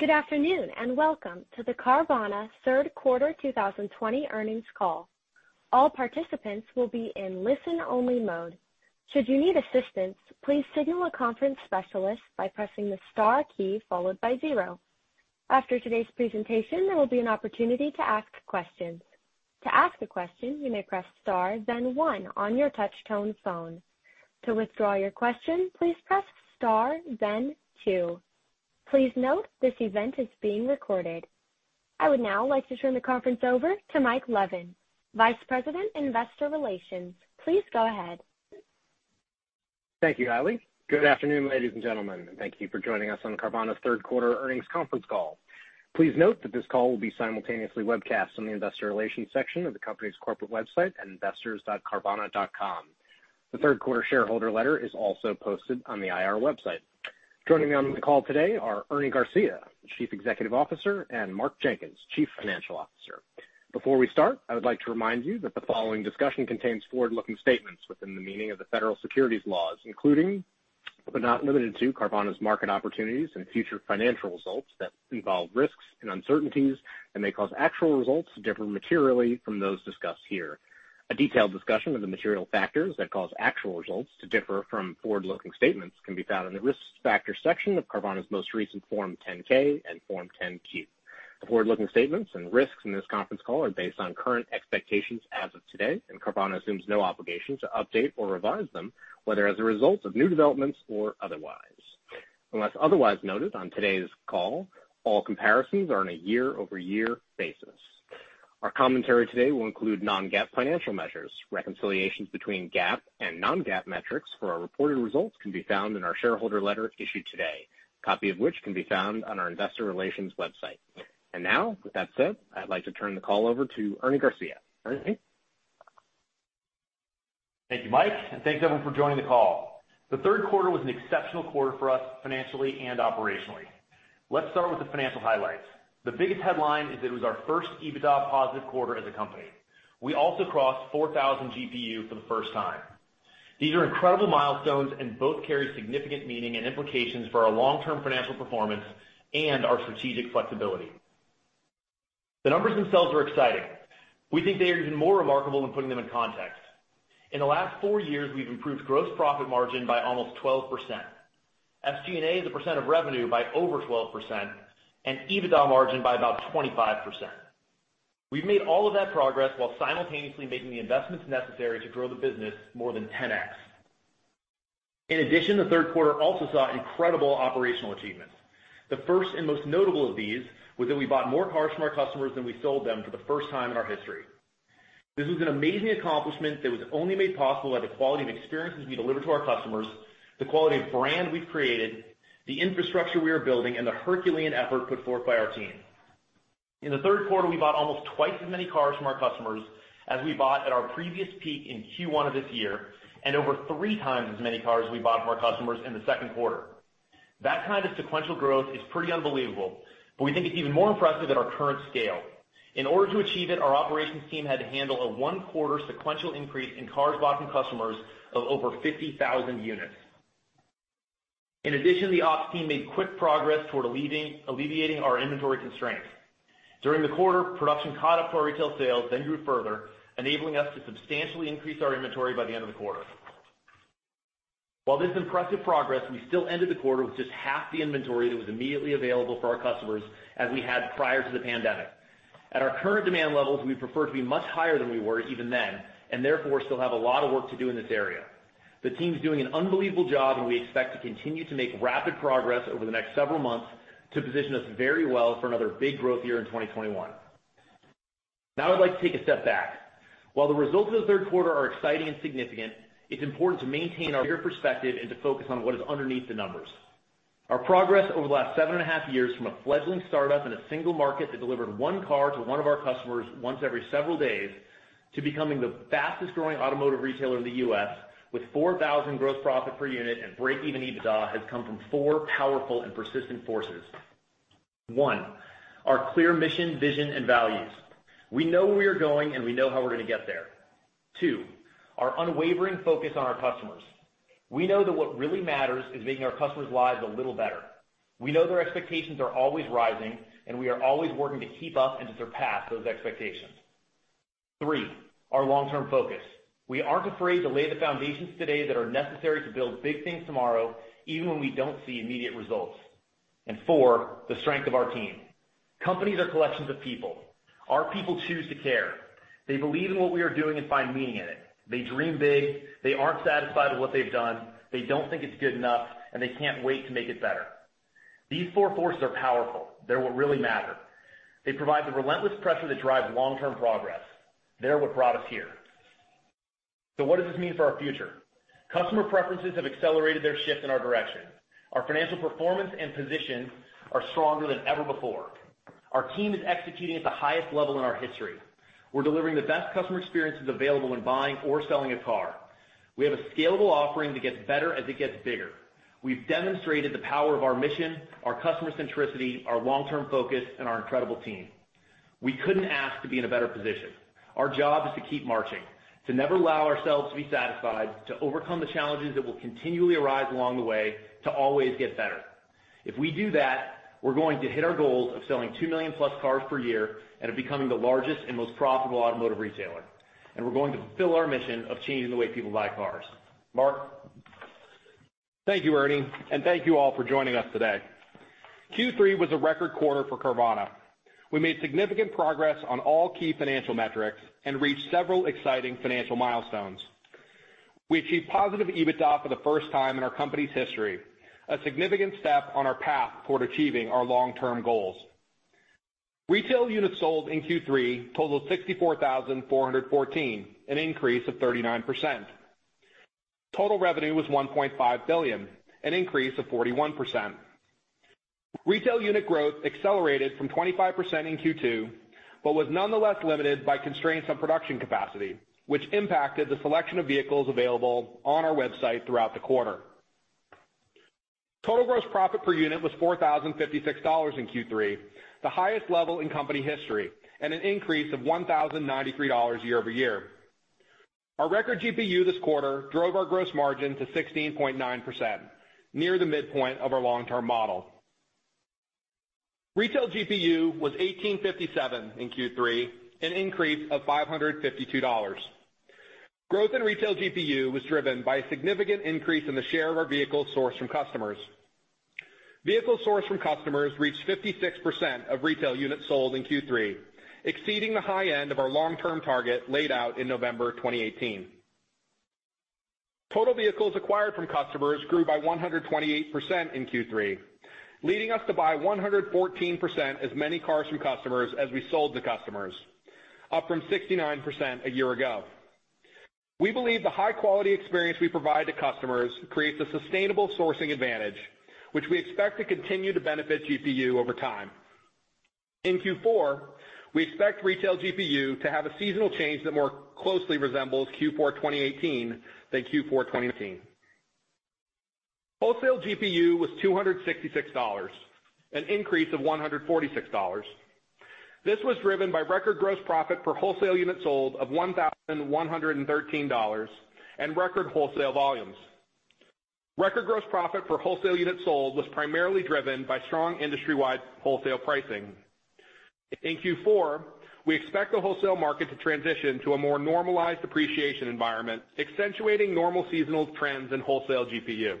Good afternoon, welcome to the Carvana third quarter 2020 earnings call. All participants will be in listen-only mode. After today's presentation, there will be an opportunity to ask questions. Please note this event is being recorded. I would now like to turn the conference over to Mike Levin, Vice President, Investor Relations. Please go ahead. Thank you, Hailey. Good afternoon, ladies and gentlemen, and thank you for joining us on Carvana's third quarter earnings conference call. Please note that this call will be simultaneously webcast on the investor relations section of the company's corporate website at investors.carvana.com. The third quarter shareholder letter is also posted on the IR website. Joining me on the call today are Ernie Garcia, Chief Executive Officer, and Mark Jenkins, Chief Financial Officer. Before we start, I would like to remind you that the following discussion contains forward-looking statements within the meaning of the federal securities laws, including, but not limited to, Carvana's market opportunities and future financial results that involve risks and uncertainties and may cause actual results to differ materially from those discussed here. A detailed discussion of the material factors that cause actual results to differ from forward-looking statements can be found in the Risk Factors section of Carvana's most recent Form 10-K and Form 10-Q. The forward-looking statements and risks in this conference call are based on current expectations as of today, and Carvana assumes no obligation to update or revise them, whether as a result of new developments or otherwise. Unless otherwise noted on today's call, all comparisons are on a year-over-year basis. Our commentary today will include non-GAAP financial measures. Reconciliations between GAAP and non-GAAP metrics for our reported results can be found in our shareholder letter issued today, copy of which can be found on our investor relations website. Now, with that said, I'd like to turn the call over to Ernie Garcia. Ernie? Thank you, Mike, and thanks, everyone, for joining the call. The third quarter was an exceptional quarter for us financially and operationally. Let's start with the financial highlights. The biggest headline is it was our first EBITDA-positive quarter as a company. We also crossed 4,000 GPU for the first time. These are incredible milestones. Both carry significant meaning and implications for our long-term financial performance and our strategic flexibility. The numbers themselves are exciting. We think they are even more remarkable when putting them in context. In the last four years, we've improved gross profit margin by almost 12%, SG&A as a percent of revenue by over 12%, and EBITDA margin by about 25%. We've made all of that progress while simultaneously making the investments necessary to grow the business more than 10x. The third quarter also saw incredible operational achievements. The first and most notable of these was that we bought more cars from our customers than we sold them for the first time in our history. This was an amazing accomplishment that was only made possible by the quality of experiences we deliver to our customers, the quality of brand we've created, the infrastructure we are building, and the Herculean effort put forth by our team. In the third quarter, we bought almost twice as many cars from our customers as we bought at our previous peak in Q1 of this year, and over three times as many cars we bought from our customers in the second quarter. That kind of sequential growth is pretty unbelievable, but we think it's even more impressive at our current scale. In order to achieve it, our operations team had to handle a one-quarter sequential increase in cars bought from customers of over 50,000 units. In addition, the ops team made quick progress toward alleviating our inventory constraints. During the quarter, production caught up to our retail sales, then grew further, enabling us to substantially increase our inventory by the end of the quarter. While this is impressive progress, we still ended the quarter with just half the inventory that was immediately available for our customers as we had prior to the pandemic. At our current demand levels, we prefer to be much higher than we were even then, and therefore, still have a lot of work to do in this area. We expect to continue to make rapid progress over the next several months to position us very well for another big growth year in 2021. Now I'd like to take a step back. While the results of the third quarter are exciting and significant, it's important to maintain our bigger perspective and to focus on what is underneath the numbers. Our progress over the last seven and a half years from a fledgling startup in a single market that delivered one car to one of our customers once every several days to becoming the fastest-growing automotive retailer in the U.S. with 4,000 gross profit per unit and break-even EBITDA has come from four powerful and persistent forces. One, our clear mission, vision, and values. We know where we are going, we know how we're going to get there. Two, our unwavering focus on our customers. We know that what really matters is making our customers' lives a little better. We know their expectations are always rising, and we are always working to keep up and to surpass those expectations. Three, our long-term focus. We aren't afraid to lay the foundations today that are necessary to build big things tomorrow, even when we don't see immediate results. Four, the strength of our team. Companies are collections of people. Our people choose to care. They believe in what we are doing and find meaning in it. They dream big. They aren't satisfied with what they've done. They don't think it's good enough, and they can't wait to make it better. These four forces are powerful. They're what really matter. They provide the relentless pressure that drive long-term progress. They're what brought us here. What does this mean for our future? Customer preferences have accelerated their shift in our direction. Our financial performance and position are stronger than ever before. Our team is executing at the highest level in our history. We're delivering the best customer experiences available when buying or selling a car. We have a scalable offering that gets better as it gets bigger. We've demonstrated the power of our mission, our customer centricity, our long-term focus, and our incredible team. We couldn't ask to be in a better position. Our job is to keep marching, to never allow ourselves to be satisfied, to overcome the challenges that will continually arise along the way, to always get better. If we do that, we're going to hit our goals of selling 2 million+ cars per year, and of becoming the largest and most profitable automotive retailer. We're going to fulfill our mission of changing the way people buy cars. Mark? Thank you, Ernie, and thank you all for joining us today. Q3 was a record quarter for Carvana. We made significant progress on all key financial metrics and reached several exciting financial milestones. We achieved positive EBITDA for the first time in our company's history, a significant step on our path toward achieving our long-term goals. Retail units sold in Q3 totaled 64,414, an increase of 39%. Total revenue was $1.5 billion, an increase of 41%. Retail unit growth accelerated from 25% in Q2, was nonetheless limited by constraints on production capacity, which impacted the selection of vehicles available on our website throughout the quarter. Total gross profit per unit was $4,056 in Q3, the highest level in company history, and an increase of $1,093 year-over-year. Our record GPU this quarter drove our gross margin to 16.9%, near the midpoint of our long-term model. Retail GPU was $1,857 in Q3, an increase of $552. Growth in retail GPU was driven by a significant increase in the share of our vehicles sourced from customers. Vehicles sourced from customers reached 56% of retail units sold in Q3, exceeding the high end of our long-term target laid out in November 2018. Total vehicles acquired from customers grew by 128% in Q3, leading us to buy 114% as many cars from customers as we sold to customers, up from 69% a year ago. We believe the high-quality experience we provide to customers creates a sustainable sourcing advantage, which we expect to continue to benefit GPU over time. In Q4, we expect retail GPU to have a seasonal change that more closely resembles Q4 2018 than Q4 2019. Wholesale GPU was $266, an increase of $146. This was driven by record gross profit per wholesale unit sold of $1,113, and record wholesale volumes. Record gross profit for wholesale units sold was primarily driven by strong industry-wide wholesale pricing. In Q4, we expect the wholesale market to transition to a more normalized depreciation environment, accentuating normal seasonal trends in wholesale GPU.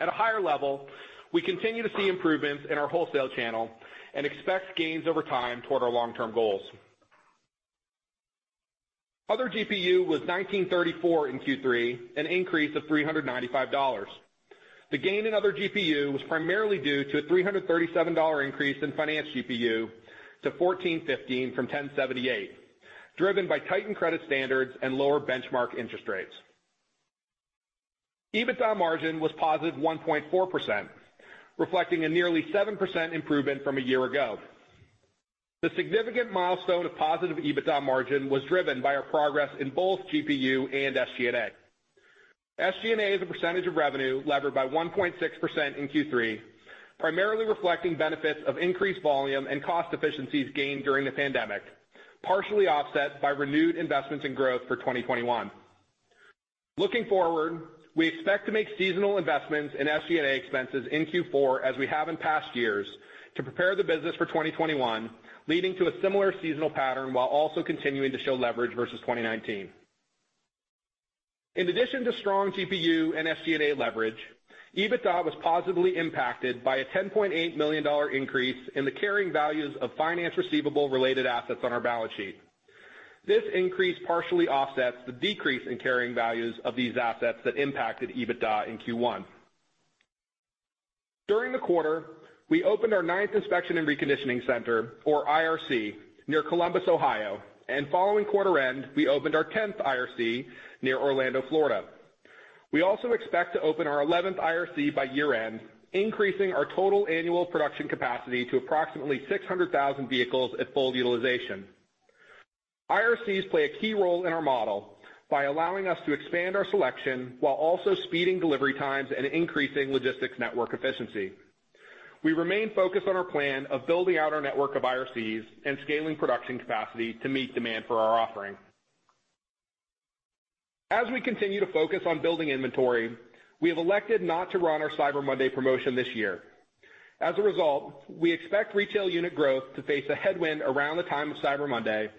At a higher level, we continue to see improvements in our wholesale channel and expect gains over time toward our long-term goals. Other GPU was $1,934 in Q3, an increase of $395. The gain in other GPU was primarily due to a $337 increase in finance GPU to $1,415 from $1,078, driven by tightened credit standards and lower benchmark interest rates. EBITDA margin was +1.4%, reflecting a nearly 7% improvement from a year ago. The significant milestone of positive EBITDA margin was driven by our progress in both GPU and SG&A. SG&A as a percentage of revenue levered by 1.6% in Q3, primarily reflecting benefits of increased volume and cost efficiencies gained during the pandemic, partially offset by renewed investments in growth for 2021. Looking forward, we expect to make seasonal investments in SG&A expenses in Q4 as we have in past years, to prepare the business for 2021, leading to a similar seasonal pattern while also continuing to show leverage versus 2019. In addition to strong GPU and SG&A leverage, EBITDA was positively impacted by a $10.8 million increase in the carrying values of finance receivable-related assets on our balance sheet. This increase partially offsets the decrease in carrying values of these assets that impacted EBITDA in Q1. During the quarter, we opened our ninth inspection and reconditioning center, or IRC, near Columbus, Ohio, and following quarter end, we opened our 10th IRC near Orlando, Florida. We also expect to open our 11th IRC by year end, increasing our total annual production capacity to approximately 600,000 vehicles at full utilization. IRCs play a key role in our model by allowing us to expand our selection while also speeding delivery times and increasing logistics network efficiency. We remain focused on our plan of building out our network of IRCs and scaling production capacity to meet demand for our offering. As we continue to focus on building inventory, we have elected not to run our Cyber Monday promotion this year. As a result, we expect retail unit growth to face a headwind around the time of Cyber Monday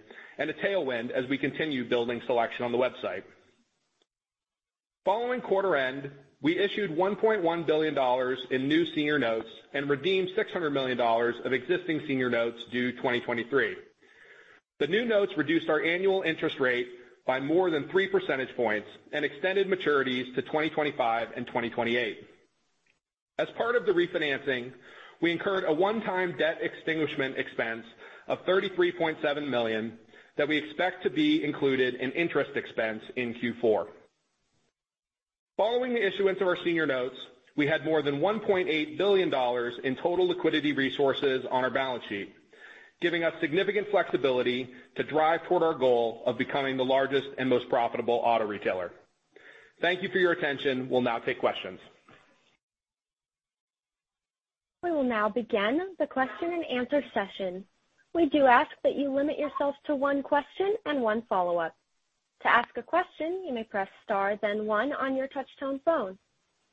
and a tailwind as we continue building selection on the website. Following quarter end, we issued $1.1 billion in new senior notes and redeemed $600 million of existing senior notes due 2023. The new notes reduced our annual interest rate by more than three percentage points and extended maturities to 2025 and 2028. As part of the refinancing, we incurred a one-time debt extinguishment expense of $33.7 million that we expect to be included in interest expense in Q4. Following the issuance of our senior notes, we had more than $1.8 billion in total liquidity resources on our balance sheet, giving us significant flexibility to drive toward our goal of becoming the largest and most profitable auto retailer. Thank you for your attention. We'll now take questions. We will now begin the question and answer session. We do ask that you limit yourself to one question and one follow-up. To ask a question, you may press star then one on your touchtone phone.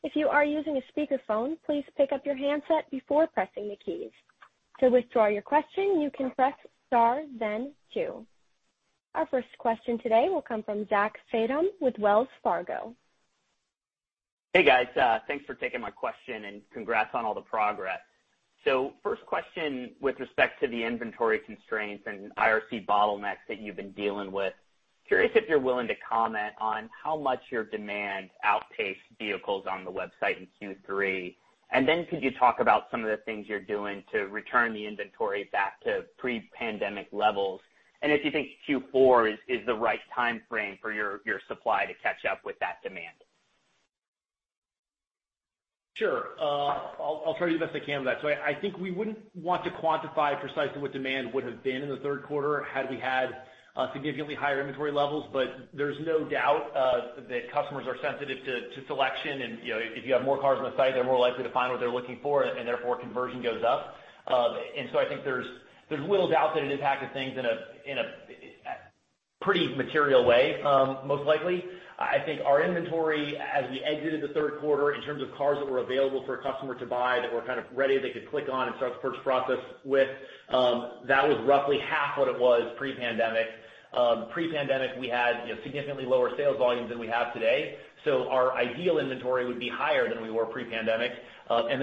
If you are using a speakerphone, please pick up your handset before pressing the keys. To withdraw your question, you can press star then two. Our first question today will come from Zach Fadem with Wells Fargo. Hey, guys. Thanks for taking my question and congrats on all the progress. First question with respect to the inventory constraints and IRC bottlenecks that you've been dealing with. Curious if you're willing to comment on how much your demand outpaced vehicles on the website in Q3, and then could you talk about some of the things you're doing to return the inventory back to pre-pandemic levels? If you think Q4 is the right timeframe for your supply to catch up with that demand. Sure. I'll try to do the best I can with that. I think we wouldn't want to quantify precisely what demand would have been in the third quarter had we had significantly higher inventory levels. There's no doubt that customers are sensitive to selection, and if you have more cars on the site, they're more likely to find what they're looking for, and therefore conversion goes up. I think there's little doubt that it impacted things in a pretty material way, most likely. I think our inventory as we exited the third quarter in terms of cars that were available for a customer to buy that were kind of ready, they could click on and start the purchase process with, that was roughly half what it was pre-pandemic. Pre-pandemic, we had significantly lower sales volumes than we have today, so our ideal inventory would be higher than we were pre-pandemic.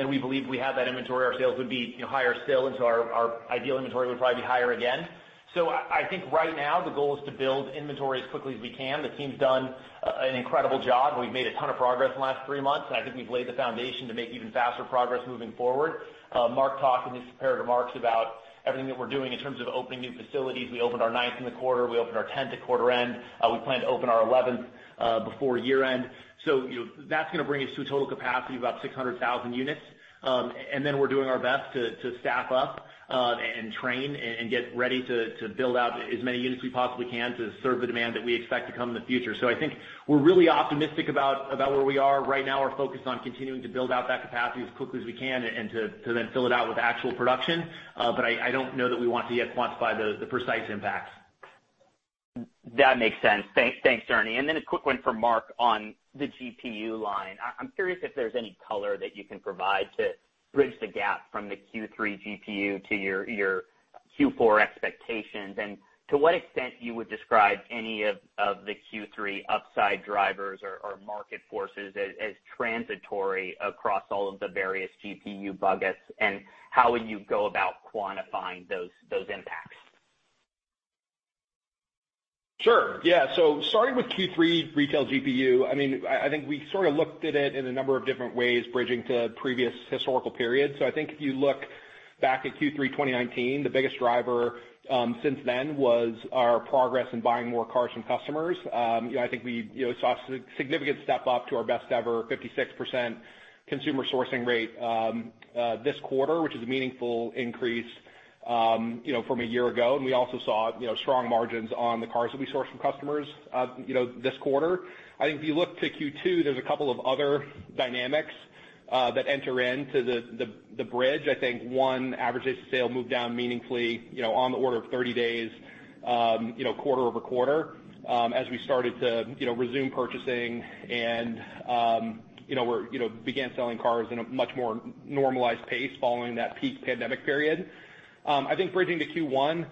We believe if we had that inventory, our sales would be higher still into our ideal inventory would probably be higher again. I think right now the goal is to build inventory as quickly as we can. The team's done an incredible job and we've made a ton of progress in the last three months, and I think we've laid the foundation to make even faster progress moving forward. Mark talked in his prepared remarks about everything that we're doing in terms of opening new facilities. We opened our ninth in the quarter. We opened our 10th at quarter end. We plan to open our 11th before year end. That's going to bring us to a total capacity of about 600,000 units. We're doing our best to staff up and train and get ready to build out as many units as we possibly can to serve the demand that we expect to come in the future. I think we're really optimistic about where we are right now. We're focused on continuing to build out that capacity as quickly as we can and to then fill it out with actual production. I don't know that we want to yet quantify the precise impact. That makes sense. Thanks, Ernie. A quick one for Mark on the GPU line. I'm curious if there's any color that you can provide to bridge the gap from the Q3 GPU to your Q4 expectations, and to what extent you would describe any of the Q3 upside drivers or market forces as transitory across all of the various GPU buckets, and how would you go about quantifying those impacts? Sure. Yeah. Starting with Q3 retail GPU, I think we sort of looked at it in a number of different ways, bridging to previous historical periods. I think if you look back at Q3 2019, the biggest driver since then was our progress in buying more cars from customers. I think we saw a significant step up to our best ever 56% consumer sourcing rate this quarter, which is a meaningful increase from a year ago. We also saw strong margins on the cars that we sourced from customers this quarter. I think if you look to Q2, there's a couple of other dynamics that enter into the bridge. I think one average age of sale moved down meaningfully on the order of 30 days quarter-over-quarter as we started to resume purchasing and began selling cars in a much more normalized pace following that peak pandemic period. I think bridging to Q1,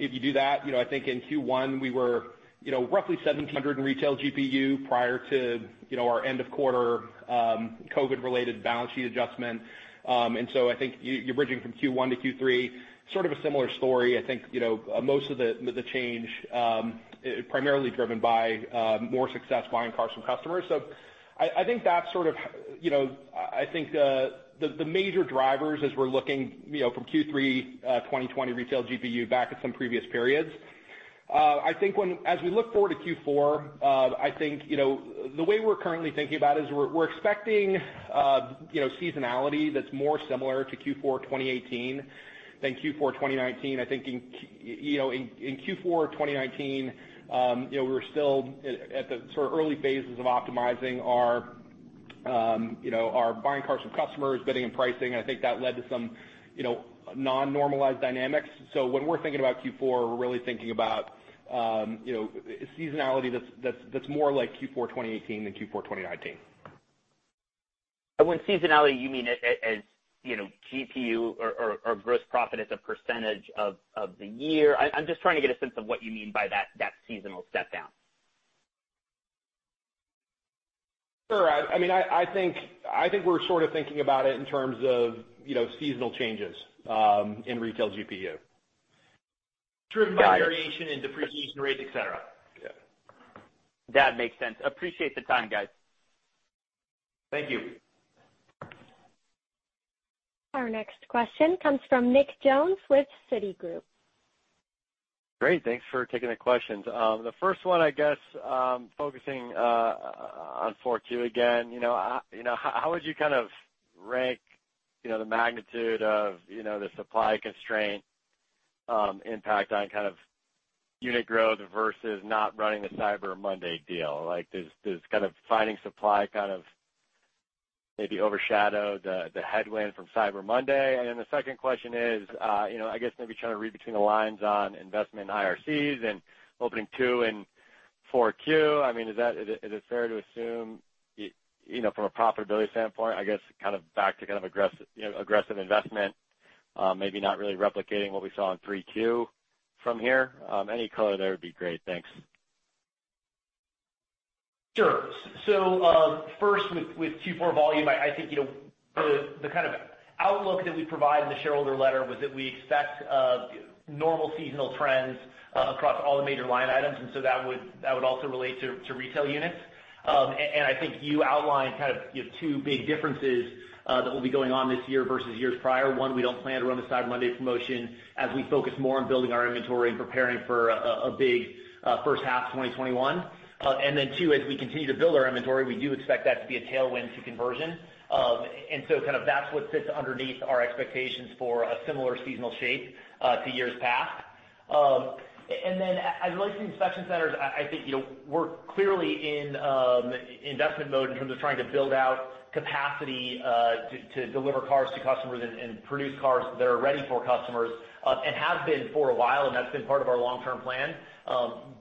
if you do that, I think in Q1 we were roughly $1,700 in retail GPU prior to our end of quarter COVID-related balance sheet adjustment. I think you're bridging from Q1 to Q3, sort of a similar story. I think most of the change primarily driven by more success buying cars from customers. I think the major drivers as we're looking from Q3 2020 retail GPU back at some previous periods. I think as we look forward to Q4, the way we're currently thinking about it is we're expecting seasonality that's more similar to Q4 2018 than Q4 2019. I think in Q4 of 2019, we were still at the sort of early phases of optimizing our buying cars from customers, bidding, and pricing. I think that led to some non-normalized dynamics. When we're thinking about Q4, we're really thinking about seasonality that's more like Q4 2018 than Q4 2019. When seasonality, you mean as GPU or gross profit as a percentage of the year? I'm just trying to get a sense of what you mean by that seasonal step down. Sure. I think we're sort of thinking about it in terms of seasonal changes in retail GPU. Driven by variation in depreciation rates, et cetera. Yeah. That makes sense. Appreciate the time, guys. Thank you. Our next question comes from Nick Jones with Citigroup. Great. Thanks for taking the questions. The first one, I guess, focusing on 4Q again. How would you kind of rank the magnitude of the supply constraint impact on unit growth versus not running the Cyber Monday deal. Does finding supply maybe overshadow the headwind from Cyber Monday? The second question is, I guess maybe trying to read between the lines on investment in IRCs and opening two in 4Q. Is it fair to assume from a profitability standpoint, I guess back to aggressive investment maybe not really replicating what we saw in 3Q from here? Any color there would be great. Thanks. Sure. First, with Q4 volume, I think the kind of outlook that we provide in the shareholder letter was that we expect normal seasonal trends across all the major line items. That would also relate to retail units. I think you outlined two big differences that will be going on this year versus years prior. One, we don't plan to run the Cyber Monday promotion as we focus more on building our inventory and preparing for a big first half 2021. Then two, as we continue to build our inventory, we do expect that to be a tailwind to conversion. That's what sits underneath our expectations for a similar seasonal shape to years past. Then as it relates to inspection centers, I think we're clearly in investment mode in terms of trying to build out capacity to deliver cars to customers and produce cars that are ready for customers, and have been for a while, and that's been part of our long-term plan.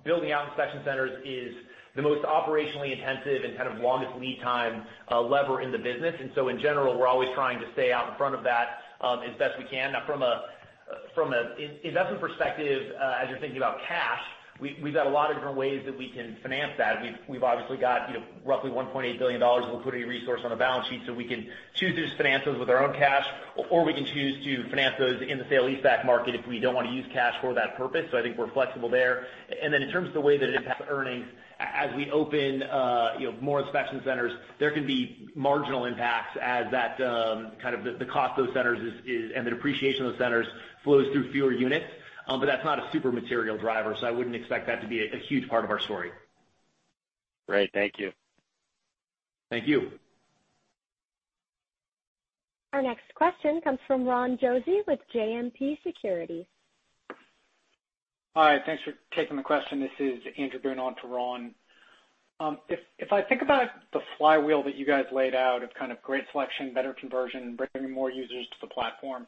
Building out inspection centers is the most operationally intensive and longest lead time lever in the business. In general, we're always trying to stay out in front of that as best we can. Now, from an investment perspective, as you're thinking about cash, we've got a lot of different ways that we can finance that. We've obviously got roughly $1.8 billion of liquidity resource on the balance sheet. We can choose to finance those with our own cash, or we can choose to finance those in the sale-leaseback market if we don't want to use cash for that purpose. I think we're flexible there. Then in terms of the way that it impacts earnings, as we open more inspection centers, there can be marginal impacts as the cost of those centers and the depreciation of those centers flows through fewer units. That's not a super material driver, I wouldn't expect that to be a huge part of our story. Great. Thank you. Thank you. Our next question comes from Ron Josey with JMP Securities. Hi. Thanks for taking the question. This is Andrew Boone on to Ron. If I think about the flywheel that you guys laid out of great selection, better conversion, bringing more users to the platform,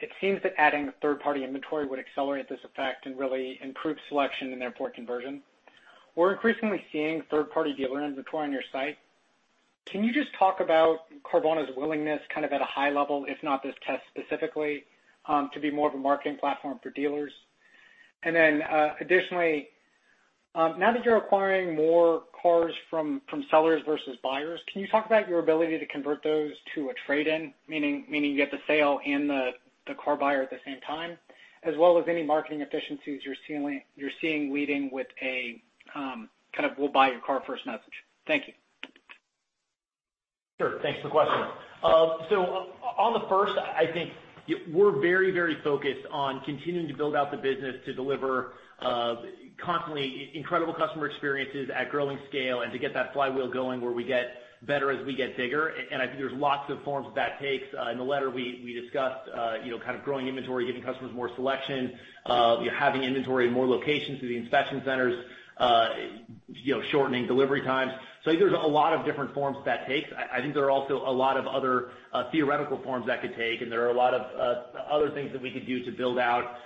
it seems that adding third-party inventory would accelerate this effect and really improve selection and therefore conversion. We're increasingly seeing third-party dealer inventory on your site. Can you just talk about Carvana's willingness at a high level, if not this test specifically, to be more of a marketing platform for dealers? Additionally, now that you're acquiring more cars from sellers versus buyers, can you talk about your ability to convert those to a trade-in, meaning you get the sale and the car buyer at the same time, as well as any marketing efficiencies you're seeing leading with a kind of we'll buy your car first message? Thank you. On the first, I think we're very focused on continuing to build out the business to deliver constantly incredible customer experiences at growing scale and to get that flywheel going where we get better as we get bigger. I think there's lots of forms that takes. In the letter, we discussed growing inventory, giving customers more selection, having inventory in more locations through the inspection centers, shortening delivery times. I think there's a lot of different forms that takes. I think there are also a lot of other theoretical forms that could take, and there are a lot of other things that we could do to build out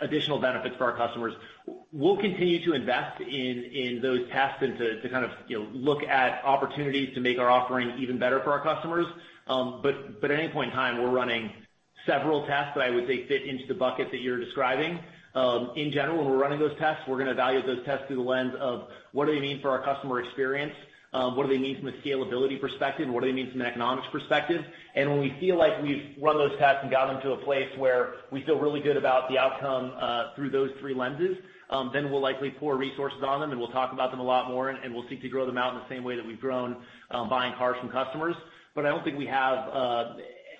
additional benefits for our customers. We'll continue to invest in those tests and to look at opportunities to make our offering even better for our customers. At any point in time, we're running several tests that I would say fit into the bucket that you're describing. In general, when we're running those tests, we're going to evaluate those tests through the lens of what do they mean for our customer experience? What do they mean from a scalability perspective? What do they mean from an economics perspective? When we feel like we've run those tests and got them to a place where we feel really good about the outcome through those three lenses, then we'll likely pour resources on them, and we'll talk about them a lot more, and we'll seek to grow them out in the same way that we've grown buying cars from customers. I don't think we have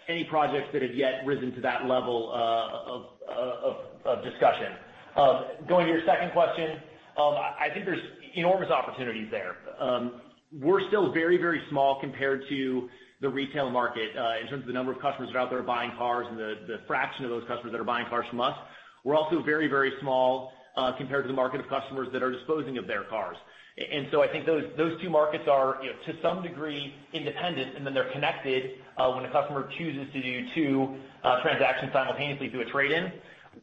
any projects that have yet risen to that level of discussion. Going to your second question, I think there's enormous opportunities there. We're still very small compared to the retail market in terms of the number of customers that are out there buying cars and the fraction of those customers that are buying cars from us. We're also very small compared to the market of customers that are disposing of their cars. I think those two markets are to some degree independent, and then they're connected when a customer chooses to do two transactions simultaneously through a trade-in.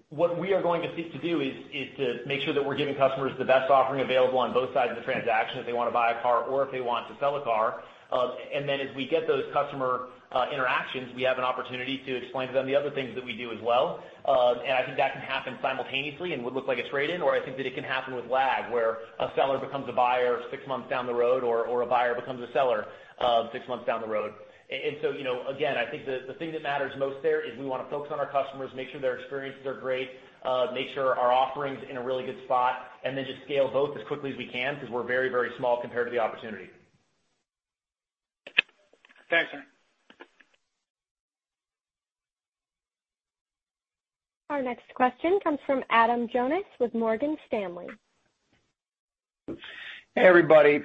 What we are going to seek to do is to make sure that we're giving customers the best offering available on both sides of the transaction if they want to buy a car or if they want to sell a car. As we get those customer interactions, we have an opportunity to explain to them the other things that we do as well. I think that can happen simultaneously and would look like a trade-in, or I think that it can happen with lag, where a seller becomes a buyer six months down the road, or a buyer becomes a seller six months down the road. Again, I think the thing that matters most there is we want to focus on our customers, make sure their experiences are great, make sure our offering's in a really good spot, and then just scale both as quickly as we can because we're very small compared to the opportunity. Thanks. Our next question comes from Adam Jonas with Morgan Stanley. Hey, everybody.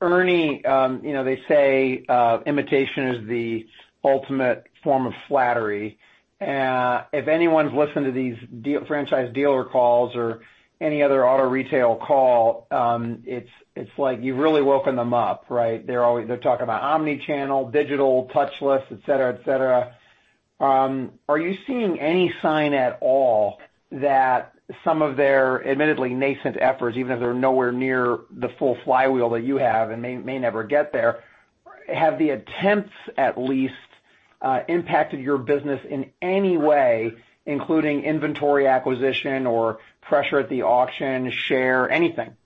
Ernie, they say imitation is the ultimate form of flattery. If anyone's listened to these franchise dealer calls or any other auto retail call, it's like you've really woken them up, right? They're talking about omni-channel, digital, touchless, et cetera. Are you seeing any sign at all that some of their admittedly nascent efforts, even if they're nowhere near the full flywheel that you have and may never get there, have the attempts at least impacted your business in any way, including inventory acquisition or pressure at the auction share, anything?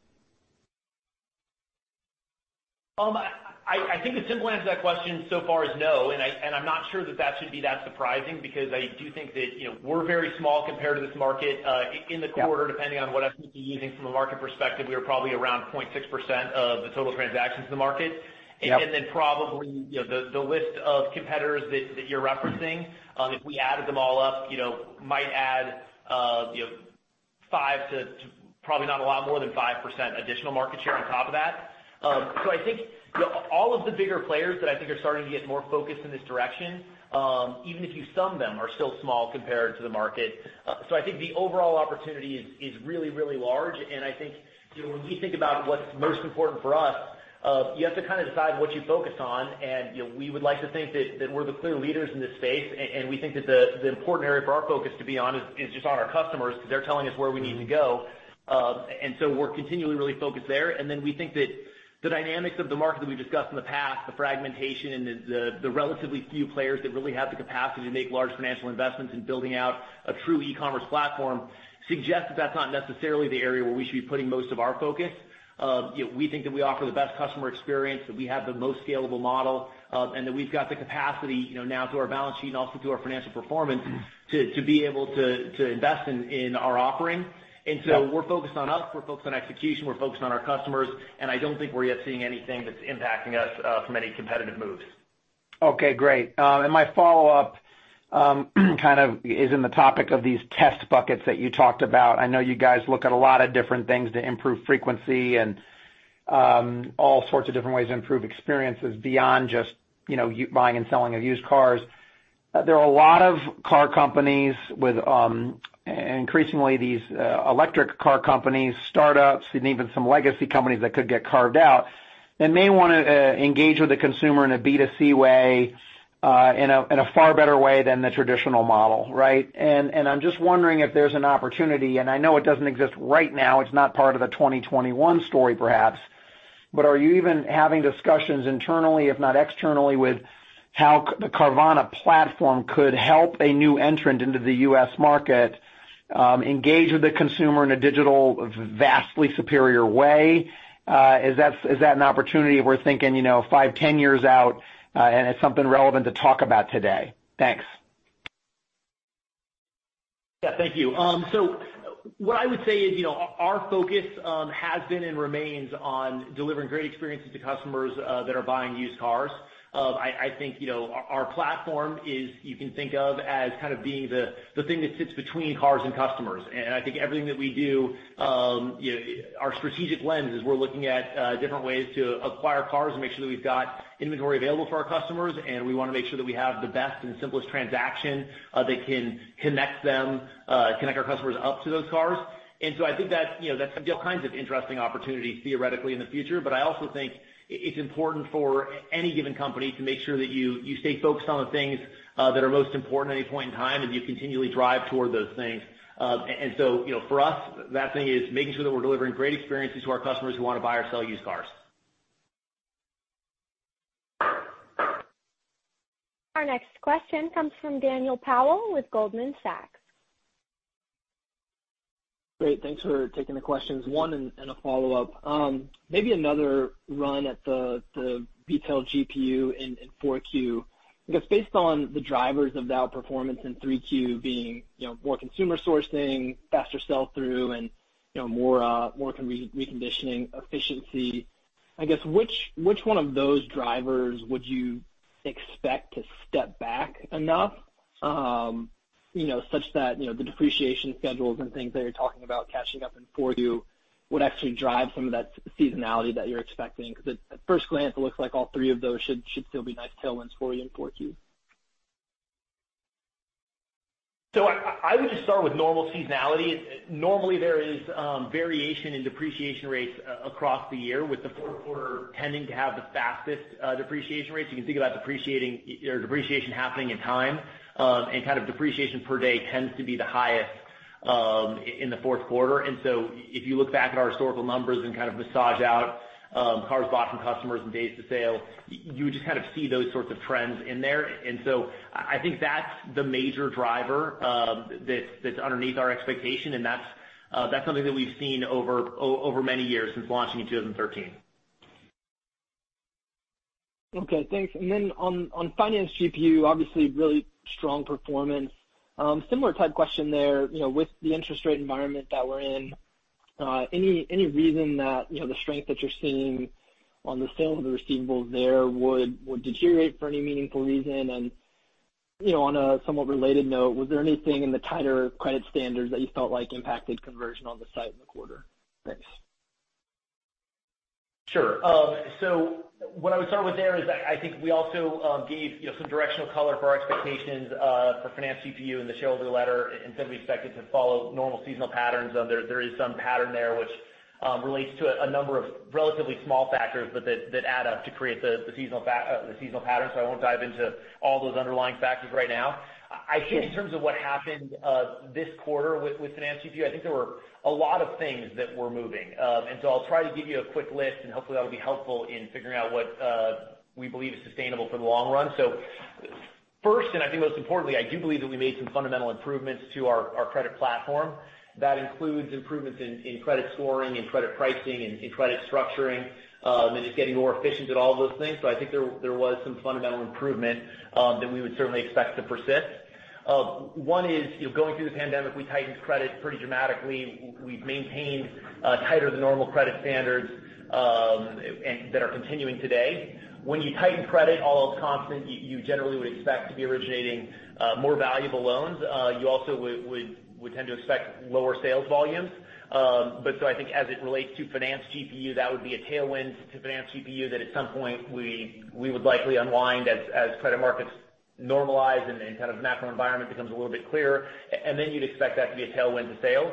I think the simple answer to that question so far is no, and I'm not sure that that should be that surprising because I do think that we're very small compared to this market. In the quarter- Yeah depending on what using from a market perspective, we are probably around 0.6% of the total transactions in the market. Yep. Then probably, the list of competitors that you're referencing, if we added them all up, might add five to probably not a lot more than 5% additional market share on top of that. I think all of the bigger players that I think are starting to get more focused in this direction, even if you sum them, are still small compared to the market. I think the overall opportunity is really large, and I think when we think about what's most important for us, you have to decide what you focus on, and we would like to think that we're the clear leaders in this space, and we think that the important area for our focus to be on is just on our customers, because they're telling us where we need to go. We're continually really focused there. We think that the dynamics of the market that we've discussed in the past, the fragmentation and the relatively few players that really have the capacity to make large financial investments in building out a true e-commerce platform suggests that that's not necessarily the area where we should be putting most of our focus. We think that we offer the best customer experience, that we have the most scalable model, and that we've got the capacity, now through our balance sheet and also through our financial performance, to be able to invest in our offering. Yeah. We're focused on us, we're focused on execution, we're focused on our customers, and I don't think we're yet seeing anything that's impacting us from any competitive moves. Okay, great. My follow-up is in the topic of these test buckets that you talked about. I know you guys look at a lot of different things to improve frequency and all sorts of different ways to improve experiences beyond just buying and selling of used cars. There are a lot of car companies with increasingly these electric car companies, startups, and even some legacy companies that could get carved out and may want to engage with the consumer in a B2C way, in a far better way than the traditional model, right? I'm just wondering if there's an opportunity, and I know it doesn't exist right now, it's not part of the 2021 story, perhaps, but are you even having discussions internally, if not externally, with how the Carvana platform could help a new entrant into the U.S. market engage with the consumer in a digital, vastly superior way? Is that an opportunity if we're thinking five, 10 years out, and it's something relevant to talk about today? Thanks. Yeah, thank you. What I would say is our focus has been and remains on delivering great experiences to customers that are buying used cars. I think our platform is, you can think of as being the thing that sits between cars and customers. I think everything that we do, our strategic lens is we're looking at different ways to acquire cars and make sure that we've got inventory available for our customers, and we want to make sure that we have the best and simplest transaction that can connect our customers up to those cars. I think that's all kinds of interesting opportunities theoretically in the future. I also think it's important for any given company to make sure that you stay focused on the things that are most important at any point in time, and you continually drive toward those things. For us, that thing is making sure that we're delivering great experiences to our customers who want to buy or sell used cars. Our next question comes from Daniel Powell with Goldman Sachs. Great. Thanks for taking the questions. One and a follow-up. Maybe another run at the retail GPU in 4Q. Based on the drivers of that performance in 3Q being more consumer sourcing, faster sell-through, and more reconditioning efficiency, I guess which one of those drivers would you expect to step back enough such that the depreciation schedules and things that you're talking about catching up in 4Q would actually drive some of that seasonality that you're expecting? At first glance, it looks like all three of those should still be nice tailwinds for you in 4Q. I would just start with normal seasonality. Normally, there is variation in depreciation rates across the year, with the fourth quarter tending to have the fastest depreciation rates. You can think about depreciation happening in time. Depreciation per day tends to be the highest in the fourth quarter. If you look back at our historical numbers and massage out cars bought from customers and days to sale, you would just see those sorts of trends in there. I think that's the major driver that's underneath our expectation, and that's something that we've seen over many years since launching in 2013. Okay, thanks. On finance GPU, obviously really strong performance. Similar type question there. With the interest rate environment that we're in, any reason that the strength that you're seeing on the sales of the receivables there would deteriorate for any meaningful reason? On a somewhat related note, was there anything in the tighter credit standards that you felt impacted conversion on the site in the quarter? Thanks. Sure. What I would start with there is, I think we also gave some directional color for our expectations for finance GPU in the shareholder letter, and said we expect it to follow normal seasonal patterns. There is some pattern there which relates to a number of relatively small factors but that add up to create the seasonal pattern. I won't dive into all those underlying factors right now. I think in terms of what happened this quarter with finance GPU, I think there were a lot of things that were moving. I'll try to give you a quick list, and hopefully that'll be helpful in figuring out what we believe is sustainable for the long run. First, and I think most importantly, I do believe that we made some fundamental improvements to our credit platform. That includes improvements in credit scoring, in credit pricing, in credit structuring, and just getting more efficient at all of those things. I think there was some fundamental improvement that we would certainly expect to persist. One is, going through the pandemic, we tightened credit pretty dramatically. We've maintained tighter than normal credit standards that are continuing today. When you tighten credit, all else constant, you generally would expect to be originating more valuable loans. You also would tend to expect lower sales volumes. I think as it relates to finance GPU, that would be a tailwind to finance GPU that at some point we would likely unwind as credit markets normalize and then macro environment becomes a little bit clearer. Then you'd expect that to be a tailwind to sales.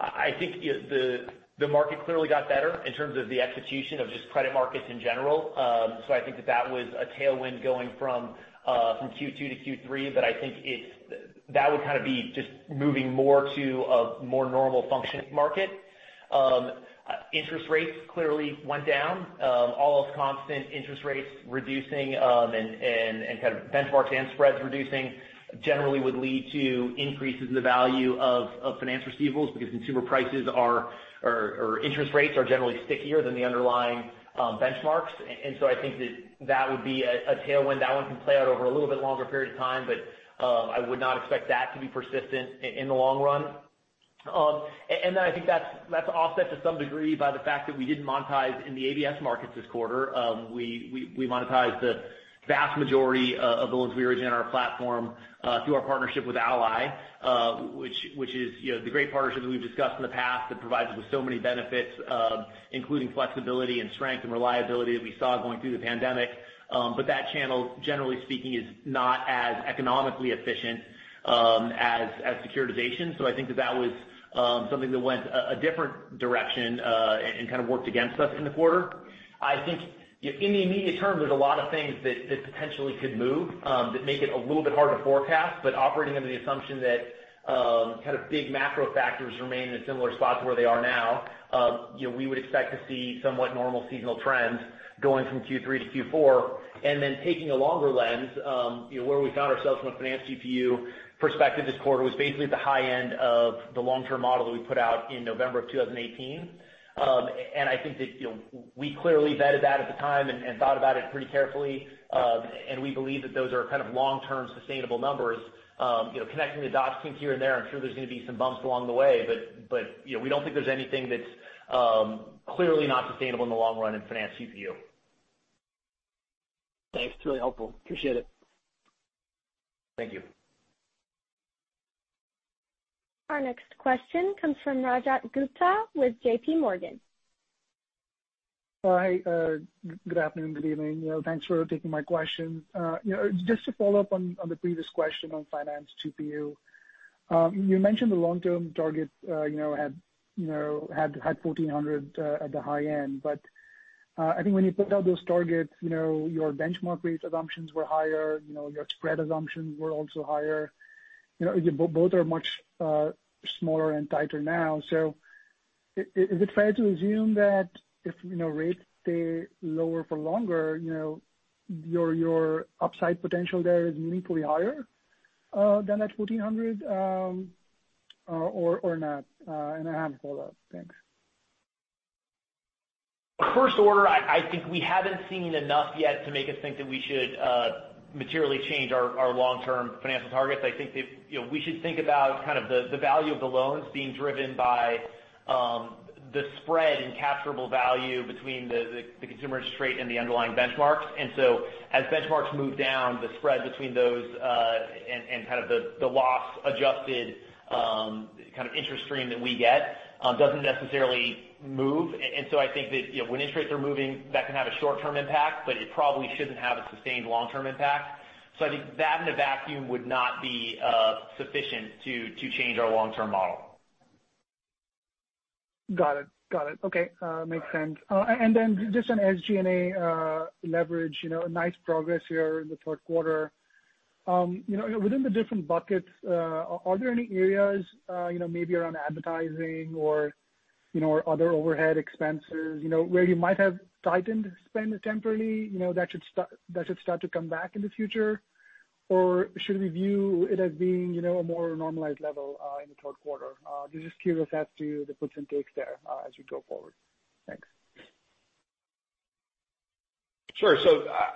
I think the market clearly got better in terms of the execution of just credit markets in general. I think that that was a tailwind going from Q2 to Q3, but I think that would be just moving more to a more normal functioning market. Interest rates clearly went down. All else constant, interest rates reducing and benchmarks and spreads reducing generally would lead to increases in the value of finance receivables because consumer prices or interest rates are generally stickier than the underlying benchmarks. I think that that would be a tailwind. That one can play out over a little bit longer period of time, but I would not expect that to be persistent in the long run. I think that's offset to some degree by the fact that we didn't monetize in the ABS markets this quarter. We monetized the vast majority of the loans we originate on our platform through our partnership with Ally, which is the great partnership that we've discussed in the past that provides us with so many benefits, including flexibility and strength and reliability that we saw going through the pandemic. That channel, generally speaking, is not as economically efficient as securitization. I think that that was something that went a different direction and kind of worked against us in the quarter. I think in the immediate term, there's a lot of things that potentially could move that make it a little bit hard to forecast. Operating under the assumption that big macro factors remain in a similar spot to where they are now, we would expect to see somewhat normal seasonal trends going from Q3 to Q4. Taking a longer lens, where we found ourselves from a finance GPU perspective this quarter was basically at the high end of the long-term model that we put out in November of 2018. I think that we clearly vetted that at the time and thought about it pretty carefully. We believe that those are kind of long-term sustainable numbers. Connecting the dots between here and there, I'm sure there's going to be some bumps along the way, but we don't think there's anything that's clearly not sustainable in the long run in finance GPU. Thanks. Really helpful. Appreciate it. Thank you. Our next question comes from Rajat Gupta with JPMorgan. Hi, good afternoon, good evening. Thanks for taking my question. To follow up on the previous question on finance GPU. You mentioned the long-term target had $1,400 at the high end. I think when you put out those targets, your benchmark rates assumptions were higher, your spread assumptions were also higher. Both are much smaller and tighter now. Is it fair to assume that if rates stay lower for longer, your upside potential there is meaningfully higher than that $1,400 or not? I have a follow-up. Thanks. First order, I think we haven't seen enough yet to make us think that we should materially change our long-term financial targets. I think that we should think about the value of the loans being driven by the spread in capturable value between the consumer interest rate and the underlying benchmarks. As benchmarks move down, the spread between those and the loss-adjusted interest stream that we get doesn't necessarily move. I think that when interest rates are moving, that can have a short-term impact, but it probably shouldn't have a sustained long-term impact. I think that in a vacuum would not be sufficient to change our long-term model. Got it. Okay. Makes sense. Just on SG&A leverage, nice progress here in the third quarter. Within the different buckets, are there any areas maybe around advertising or other overhead expenses, where you might have tightened spend temporarily that should start to come back in the future? Should we view it as being a more normalized level in the third quarter? Just curious as to the puts and takes there as we go forward. Thanks. Sure.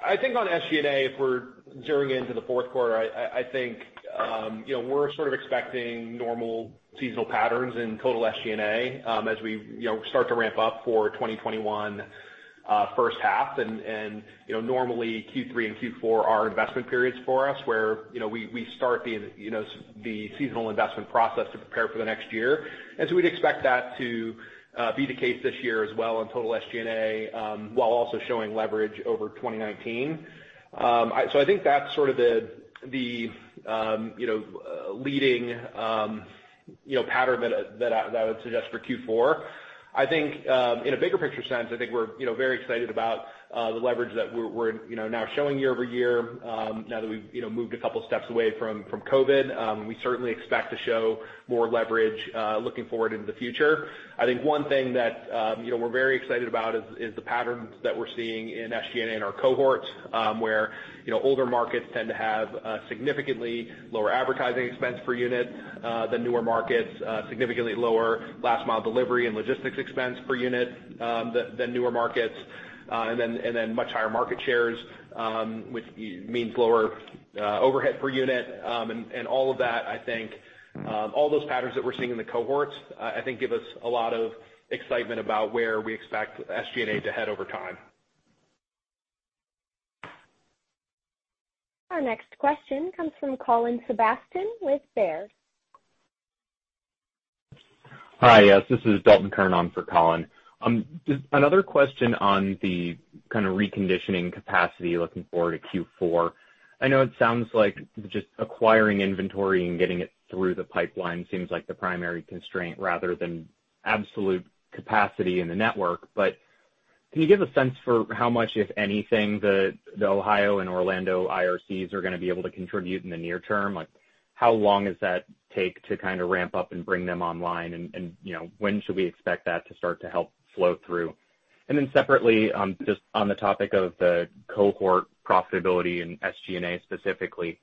I think on SG&A, if we're gearing into the fourth quarter, I think we're sort of expecting normal seasonal patterns in total SG&A as we start to ramp up for 2021. First half, normally Q3 and Q4 are investment periods for us, where we start the seasonal investment process to prepare for the next year. We'd expect that to be the case this year as well on total SG&A, while also showing leverage over 2019. I think that's sort of the leading pattern that I would suggest for Q4. I think in a bigger picture sense, I think we're very excited about the leverage that we're now showing year-over-year, now that we've moved a couple steps away from COVID. We certainly expect to show more leverage looking forward into the future. I think one thing that we're very excited about is the patterns that we're seeing in SG&A in our cohorts, where older markets tend to have significantly lower advertising expense per unit, the newer markets significantly lower last mile delivery and logistics expense per unit than newer markets. Much higher market shares, which means lower overhead per unit. All of that, I think all those patterns that we're seeing in the cohorts, I think give us a lot of excitement about where we expect SG&A to head over time. Our next question comes from Colin Sebastian with Baird. Hi. Yes, this is Dalton Kern on for Colin. Just another question on the kind of reconditioning capacity looking forward to Q4. I know it sounds like just acquiring inventory and getting it through the pipeline seems like the primary constraint rather than absolute capacity in the network. Can you give a sense for how much, if anything, the Ohio and Orlando IRCs are going to be able to contribute in the near term? Like, how long does that take to kind of ramp up and bring them online? When should we expect that to start to help flow through? Separately, just on the topic of the cohort profitability and SG&A specifically,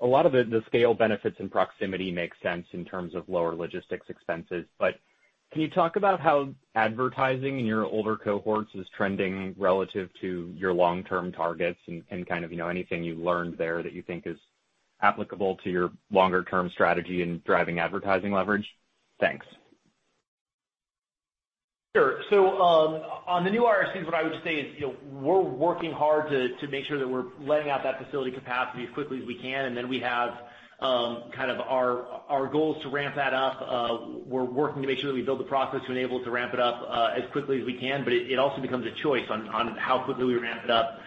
a lot of the scale benefits and proximity makes sense in terms of lower logistics expenses. Can you talk about how advertising in your older cohorts is trending relative to your long-term targets and kind of anything you learned there that you think is applicable to your longer term strategy in driving advertising leverage? Thanks. Sure. On the new IRCs, what I would say is we're working hard to make sure that we're letting out that facility capacity as quickly as we can. Then we have kind of our goal is to ramp that up. We're working to make sure that we build the process to enable it to ramp it up as quickly as we can. It also becomes a choice on how quickly we ramp it up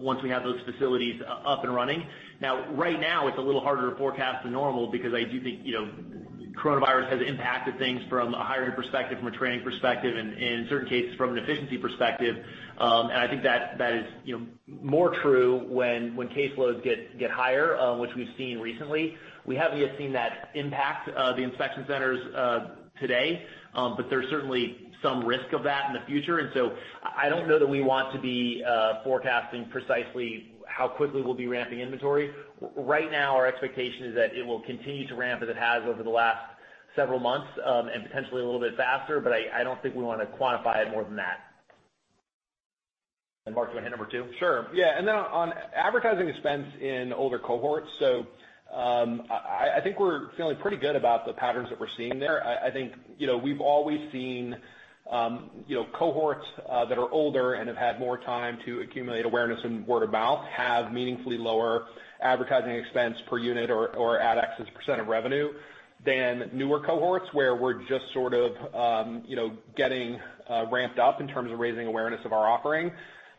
once we have those facilities up and running. Right now, it's a little harder to forecast than normal because I do think coronavirus has impacted things from a hiring perspective, from a training perspective, and in certain cases, from an efficiency perspective. I think that is more true when caseloads get higher, which we've seen recently. We haven't yet seen that impact the inspection centers today. There's certainly some risk of that in the future. I don't know that we want to be forecasting precisely how quickly we'll be ramping inventory. Right now, our expectation is that it will continue to ramp as it has over the last several months, and potentially a little bit faster, but I don't think we want to quantify it more than that. Mark, do you want to handle number two? Sure. Yeah. Then on advertising expense in older cohorts, I think we're feeling pretty good about the patterns that we're seeing there. I think we've always seen cohorts that are older and have had more time to accumulate awareness and word of mouth have meaningfully lower advertising expense per unit or ad ex as a percent of revenue than newer cohorts, where we're just sort of getting ramped up in terms of raising awareness of our offering.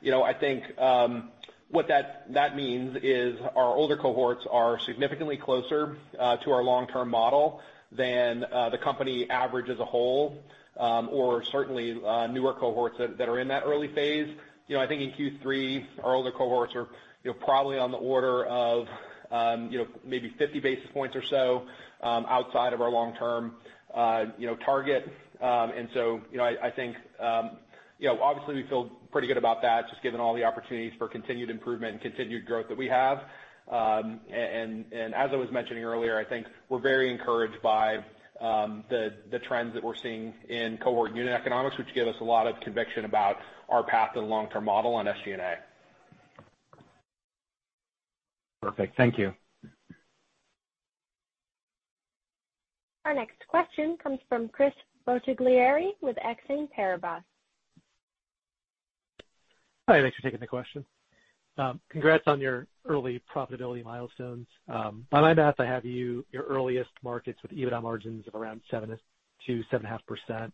I think what that means is our older cohorts are significantly closer to our long-term model than the company average as a whole, or certainly newer cohorts that are in that early phase. I think in Q3, our older cohorts are probably on the order of maybe 50 basis points or so outside of our long-term target. I think obviously we feel pretty good about that, just given all the opportunities for continued improvement and continued growth that we have. As I was mentioning earlier, I think we're very encouraged by the trends that we're seeing in cohort unit economics, which give us a lot of conviction about our path to the long-term model on SG&A. Perfect. Thank you. Our next question comes from Chris Bottiglieri with Exane BNP Paribas. Hi. Thanks for taking the question. Congrats on your early profitability milestones. By my math, I have your earliest markets with EBITDA margins of around 7%-7.5%.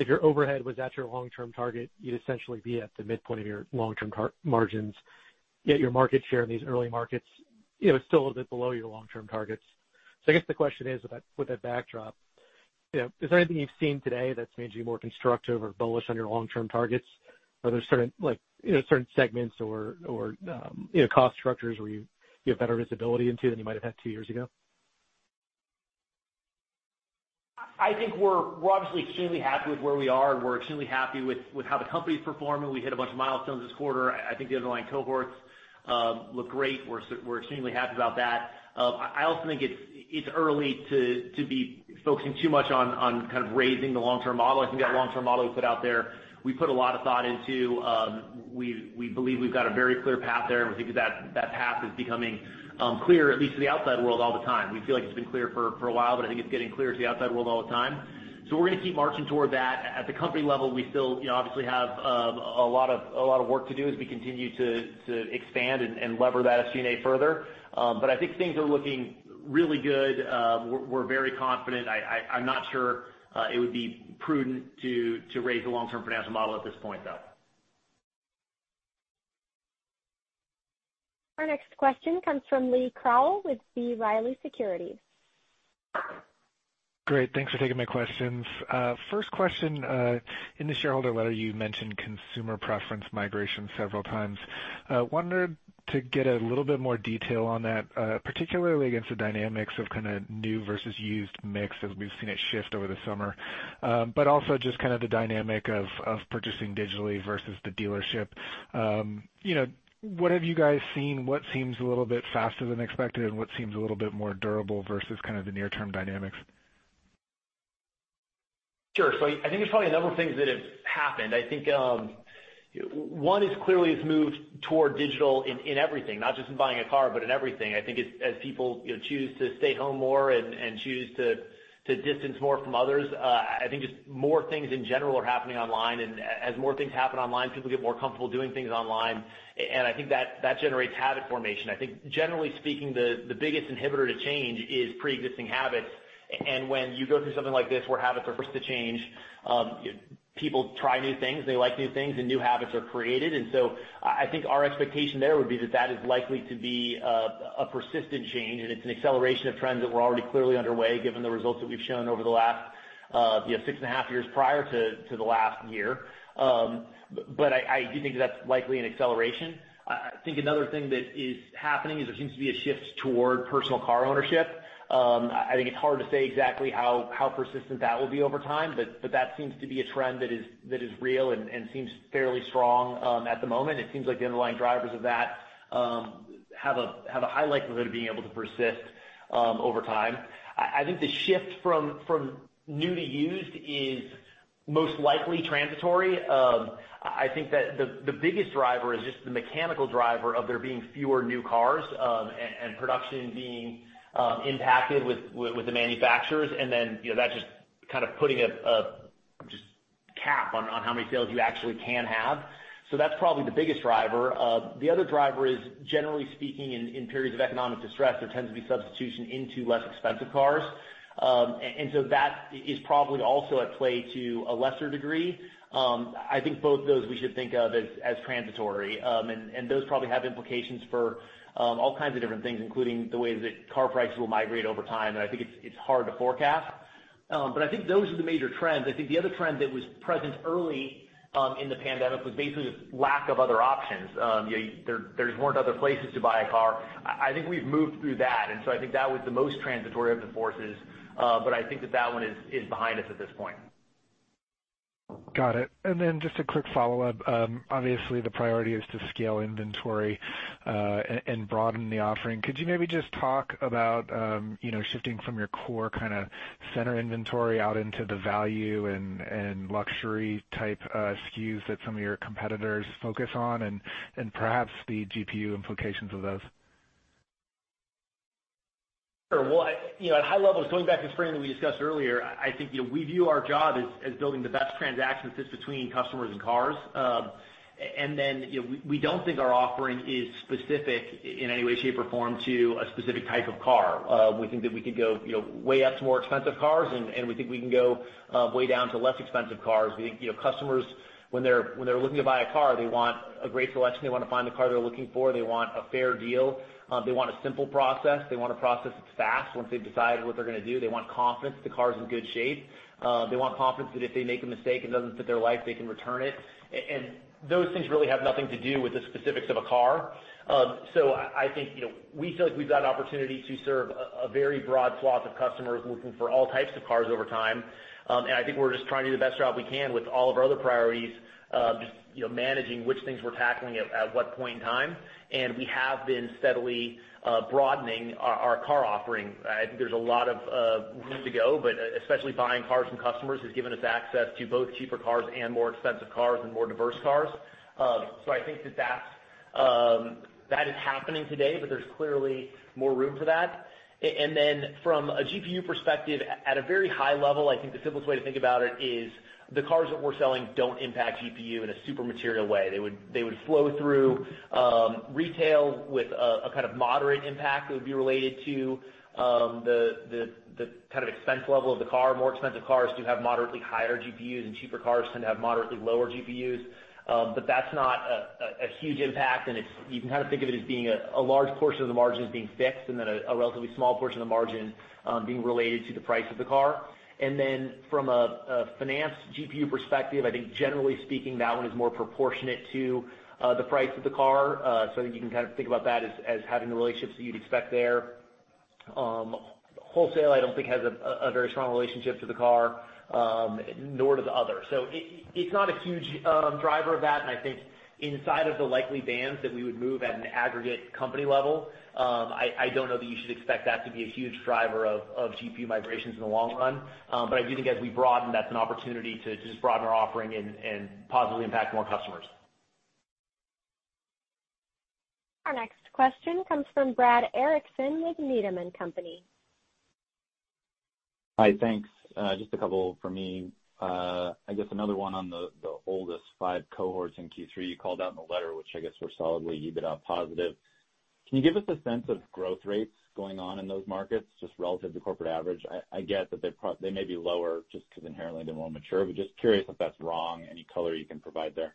If your overhead was at your long-term target, you'd essentially be at the midpoint of your long-term margins, yet your market share in these early markets is still a little bit below your long-term targets. I guess the question is with that backdrop, is there anything you've seen today that's made you more constructive or bullish on your long-term targets? Are there certain segments or cost structures where you have better visibility into than you might have had two years ago? I think we're obviously extremely happy with where we are, and we're extremely happy with how the company's performing. We hit a bunch of milestones this quarter. I think the underlying cohorts look great. We're extremely happy about that. I also think it's early to be focusing too much on kind of raising the long-term model. I think that long-term model we put out there, we put a lot of thought into. We believe we've got a very clear path there, and we think that path is becoming clear, at least to the outside world all the time. We feel like it's been clear for a while, but I think it's getting clear to the outside world all the time. We're going to keep marching toward that. At the company level, we still obviously have a lot of work to do as we continue to expand and lever that SG&A further. I think things are looking really good. We're very confident. I'm not sure it would be prudent to raise the long-term financial model at this point, though. Our next question comes from Lee Krowl with B. Riley Securities. Great. Thanks for taking my questions. First question. In the shareholder letter, you mentioned consumer preference migration several times. Wanted to get a little bit more detail on that, particularly against the dynamics of new versus used mix as we've seen it shift over the summer. Also just the dynamic of purchasing digitally versus the dealership. What have you guys seen? What seems a little bit faster than expected, what seems a little bit more durable versus the near-term dynamics? Sure. I think there's probably a number of things that have happened. I think one is clearly it's moved toward digital in everything, not just in buying a car, but in everything. I think as people choose to stay home more and choose to distance more from others, I think just more things in general are happening online. As more things happen online, people get more comfortable doing things online, and I think that generates habit formation. I think generally speaking, the biggest inhibitor to change is preexisting habits. When you go through something like this where habits are forced to change, people try new things, they like new things, and new habits are created. I think our expectation there would be that that is likely to be a persistent change, and it's an acceleration of trends that were already clearly underway given the results that we've shown over the last six and a half years prior to the last year. I do think that's likely an acceleration. I think another thing that is happening is there seems to be a shift toward personal car ownership. I think it's hard to say exactly how persistent that will be over time, but that seems to be a trend that is real and seems fairly strong at the moment. It seems like the underlying drivers of that have a high likelihood of being able to persist over time. I think the shift from new to used is most likely transitory. I think that the biggest driver is just the mechanical driver of there being fewer new cars and production being impacted with the manufacturers and then that just putting a cap on how many sales you actually can have. That's probably the biggest driver. The other driver is, generally speaking, in periods of economic distress, there tends to be substitution into less expensive cars. That is probably also at play to a lesser degree. I think both of those we should think of as transitory. Those probably have implications for all kinds of different things, including the ways that car prices will migrate over time, and I think it's hard to forecast. I think those are the major trends. I think the other trend that was present early in the pandemic was basically the lack of other options. There weren't other places to buy a car. I think we've moved through that, and so I think that that one is behind us at this point. Got it. Just a quick follow-up. Obviously, the priority is to scale inventory and broaden the offering. Could you maybe just talk about shifting from your core center inventory out into the value and luxury-type SKUs that some of your competitors focus on and perhaps the GPU implications of those? Sure. At high levels, going back to the frame that we discussed earlier, I think we view our job as building the best transaction fit between customers and cars. We don't think our offering is specific in any way, shape, or form to a specific type of car. We think that we could go way up to more expensive cars, and we think we can go way down to less expensive cars. We think customers, when they're looking to buy a car, they want a great selection. They want to find the car they're looking for. They want a fair deal. They want a simple process. They want a process that's fast once they've decided what they're going to do. They want confidence the car's in good shape. They want confidence that if they make a mistake and it doesn't fit their life, they can return it. Those things really have nothing to do with the specifics of a car. I think we feel like we've got an opportunity to serve a very broad swath of customers looking for all types of cars over time. I think we're just trying to do the best job we can with all of our other priorities, just managing which things we're tackling at what point in time. We have been steadily broadening our car offering. I think there's a lot of room to go, but especially buying cars from customers has given us access to both cheaper cars and more expensive cars and more diverse cars. I think that is happening today, but there's clearly more room for that. From a GPU perspective, at a very high level, I think the simplest way to think about it is the cars that we're selling don't impact GPU in a super material way. They would flow through retail with a kind of moderate impact that would be related to the kind of expense level of the car. More expensive cars do have moderately higher GPUs, and cheaper cars tend to have moderately lower GPUs. That's not a huge impact, and you can think of it as being a large portion of the margin as being fixed and then a relatively small portion of the margin being related to the price of the car. From a finance GPU perspective, I think generally speaking, that one is more proportionate to the price of the car. I think you can think about that as having the relationships that you'd expect there. Wholesale, I don't think has a very strong relationship to the car, nor does other. It's not a huge driver of that, and I think inside of the likely bands that we would move at an aggregate company level, I don't know that you should expect that to be a huge driver of GPU migrations in the long run. I do think as we broaden, that's an opportunity to just broaden our offering and positively impact more customers. Our next question comes from Brad Erickson with Needham & Company. Hi, thanks. Just a couple from me. I guess another one on the oldest five cohorts in Q3 you called out in the letter, which I guess were solidly EBITDA positive. Can you give us a sense of growth rates going on in those markets just relative to corporate average? I get that they may be lower just because inherently they're more mature, but just curious if that's wrong, any color you can provide there.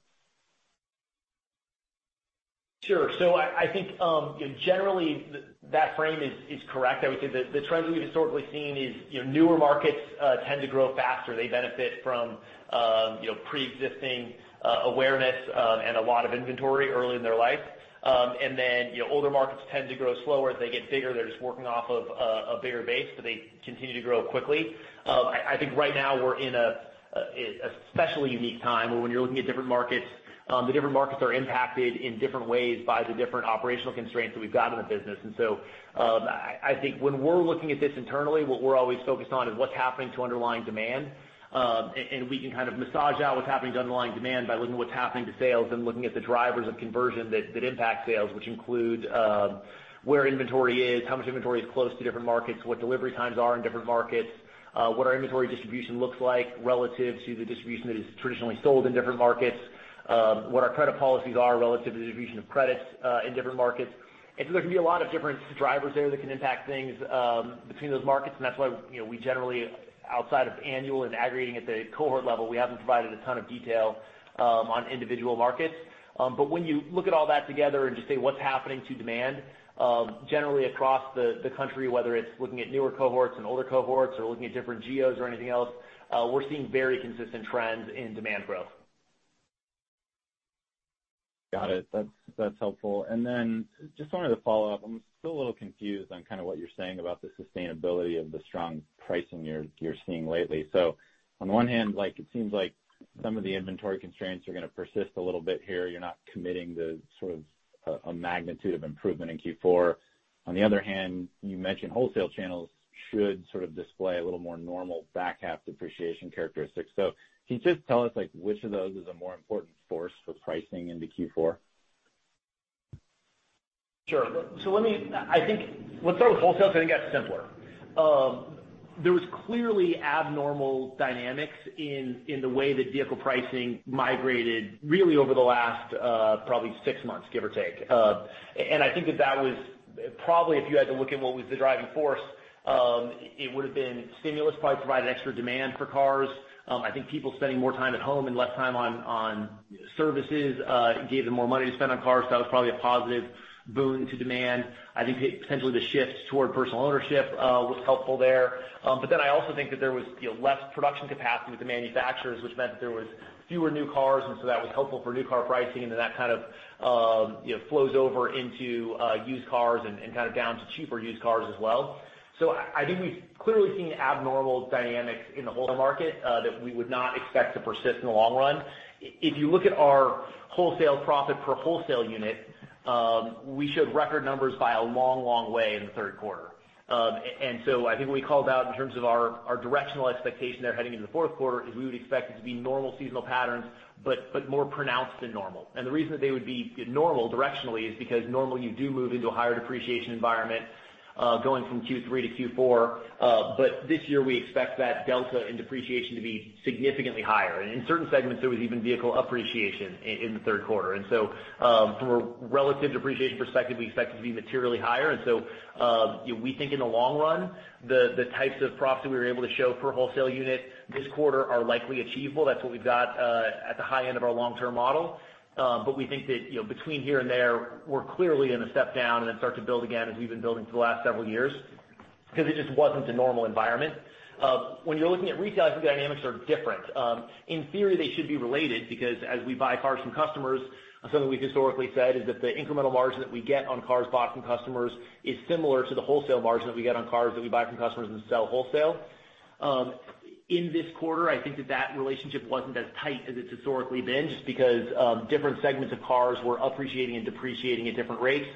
Sure. I think generally that frame is correct. I would say the trend that we've historically seen is newer markets tend to grow faster. They benefit from pre-existing awareness and a lot of inventory early in their life. Then older markets tend to grow slower. As they get bigger, they're just working off of a bigger base, but they continue to grow quickly. I think right now we're in a especially unique time where when you're looking at different markets, the different markets are impacted in different ways by the different operational constraints that we've got in the business. I think when we're looking at this internally, what we're always focused on is what's happening to underlying demand. We can massage out what's happening to underlying demand by looking at what's happening to sales and looking at the drivers of conversion that impact sales, which include where inventory is, how much inventory is close to different markets, what delivery times are in different markets, what our inventory distribution looks like relative to the distribution that is traditionally sold in different markets, what our credit policies are relative to the distribution of credits, in different markets. There can be a lot of different drivers there that can impact things between those markets, and that's why we generally, outside of annual and aggregating at the cohort level, we haven't provided a ton of detail on individual markets. When you look at all that together and just say what's happening to demand, generally across the country, whether it's looking at newer cohorts and older cohorts or looking at different geos or anything else, we're seeing very consistent trends in demand growth. Got it. That's helpful. Then just wanted to follow up. I'm still a little confused on what you're saying about the sustainability of the strong pricing you're seeing lately. On one hand, it seems like some of the inventory constraints are going to persist a little bit here. You're not committing to a magnitude of improvement in Q4. On the other hand, you mentioned wholesale channels should display a little more normal back half depreciation characteristics. Can you just tell us which of those is a more important force for pricing into Q4? Sure. Let's start with wholesale because I think it got simpler. There was clearly abnormal dynamics in the way that vehicle pricing migrated really over the last probably six months, give or take. I think that that was probably, if you had to look at what was the driving force, it would have been stimulus probably provided extra demand for cars. I think people spending more time at home and less time on services gave them more money to spend on cars. That was probably a positive boon to demand. I think potentially the shift toward personal ownership was helpful there. I also think that there was less production capacity with the manufacturers, which meant that there was fewer new cars, that was helpful for new car pricing, and that kind of flows over into used cars and down to cheaper used cars as well. I think we've clearly seen abnormal dynamics in the older market that we would not expect to persist in the long run. If you look at our wholesale profit per wholesale unit, we showed record numbers by a long way in the third quarter. I think what we called out in terms of our directional expectation there heading into the fourth quarter is we would expect it to be normal seasonal patterns, but more pronounced than normal. The reason that they would be normal directionally is because normally you do move into a higher depreciation environment, going from Q3 to Q4. This year, we expect that delta in depreciation to be significantly higher. In certain segments, there was even vehicle appreciation in the third quarter. From a relative depreciation perspective, we expect it to be materially higher. We think in the long run, the types of profits that we were able to show per wholesale unit this quarter are likely achievable. That's what we've got at the high end of our long-term model. We think that, between here and there, we're clearly going to step down and then start to build again as we've been building for the last several years because it just wasn't a normal environment. When you're looking at retail, I think the dynamics are different. In theory, they should be related because as we buy cars from customers, something we've historically said is that the incremental margin that we get on cars bought from customers is similar to the wholesale margin that we get on cars that we buy from customers and sell wholesale. In this quarter, I think that that relationship wasn't as tight as it's historically been, just because different segments of cars were appreciating and depreciating at different rates.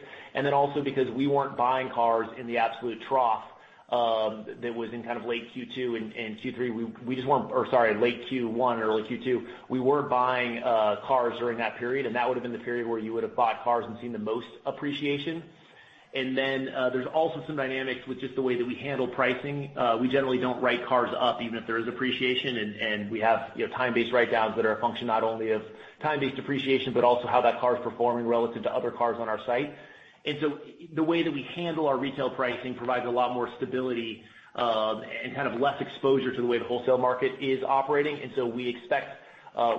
Also because we weren't buying cars in the absolute trough that was in late Q2 and Q3. We just weren't, or sorry, late Q1, early Q2. We weren't buying cars during that period, and that would have been the period where you would have bought cars and seen the most appreciation. There's also some dynamics with just the way that we handle pricing. We generally don't write cars up even if there is appreciation, and we have time-based write-downs that are a function not only of time-based depreciation but also how that car is performing relative to other cars on our site. The way that we handle our retail pricing provides a lot more stability, and less exposure to the way the wholesale market is operating. We expect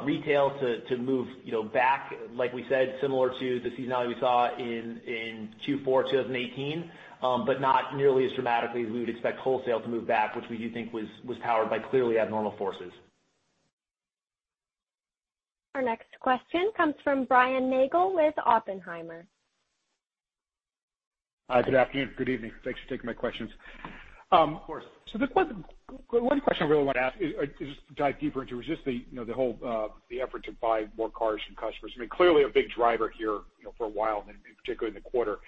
retail to move back, like we said, similar to the seasonality we saw in Q4 2018, but not nearly as dramatically as we would expect wholesale to move back, which we do think was powered by clearly abnormal forces. Our next question comes from Brian Nagel with Oppenheimer. Hi, good afternoon. Good evening. Thanks for taking my questions. Of course. The one question I really want to ask is just to dive deeper into just the whole effort to buy more cars from customers. I mean, clearly a big driver here for a while, and particularly in the quarter.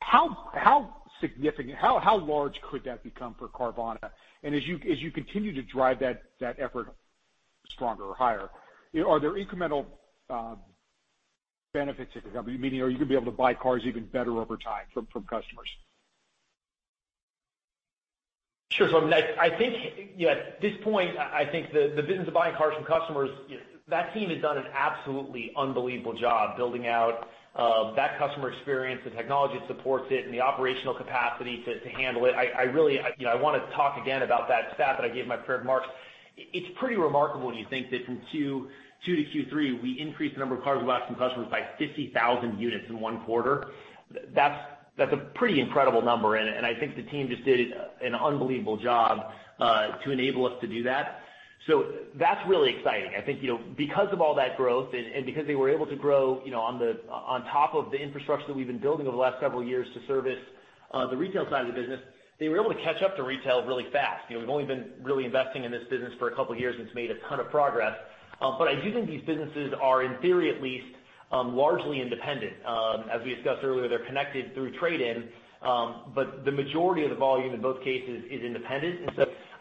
How significant, how large could that become for Carvana? As you continue to drive that effort stronger or higher. Are there incremental benefits, meaning are you going to be able to buy cars even better over time from customers? Sure. I think at this point, the business of buying cars from customers, that team has done an absolutely unbelievable job building out that customer experience, the technology that supports it, and the operational capacity to handle it. I want to talk again about that stat that I gave in my prepared remarks. It's pretty remarkable when you think that from Q2 to Q3, we increased the number of cars we bought from customers by 50,000 units in one quarter. That's a pretty incredible number, and I think the team just did an unbelievable job to enable us to do that. That's really exciting. I think because of all that growth and because they were able to grow on top of the infrastructure that we've been building over the last several years to service the retail side of the business, they were able to catch up to retail really fast. We've only been really investing in this business for a couple of years and it's made a ton of progress. I do think these businesses are, in theory at least, largely independent. As we discussed earlier, they're connected through trade-in. The majority of the volume in both cases is independent.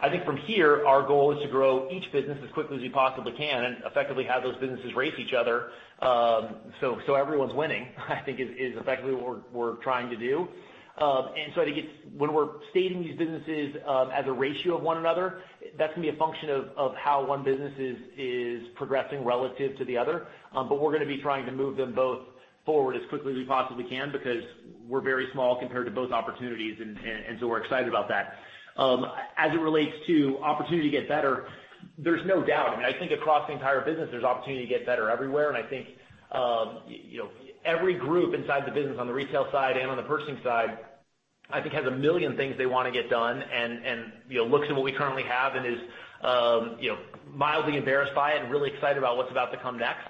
I think from here, our goal is to grow each business as quickly as we possibly can and effectively have those businesses race each other so everyone's winning, I think is effectively what we're trying to do. I think when we're stating these businesses as a ratio of one another, that's going to be a function of how one business is progressing relative to the other. We're going to be trying to move them both forward as quickly as we possibly can because we're very small compared to both opportunities. We're excited about that. As it relates to opportunity to get better, there's no doubt. I think across the entire business, there's opportunity to get better everywhere. I think every group inside the business on the retail side and on the purchasing side has a million things they want to get done and looks at what we currently have and is mildly embarrassed by it and really excited about what's about to come next.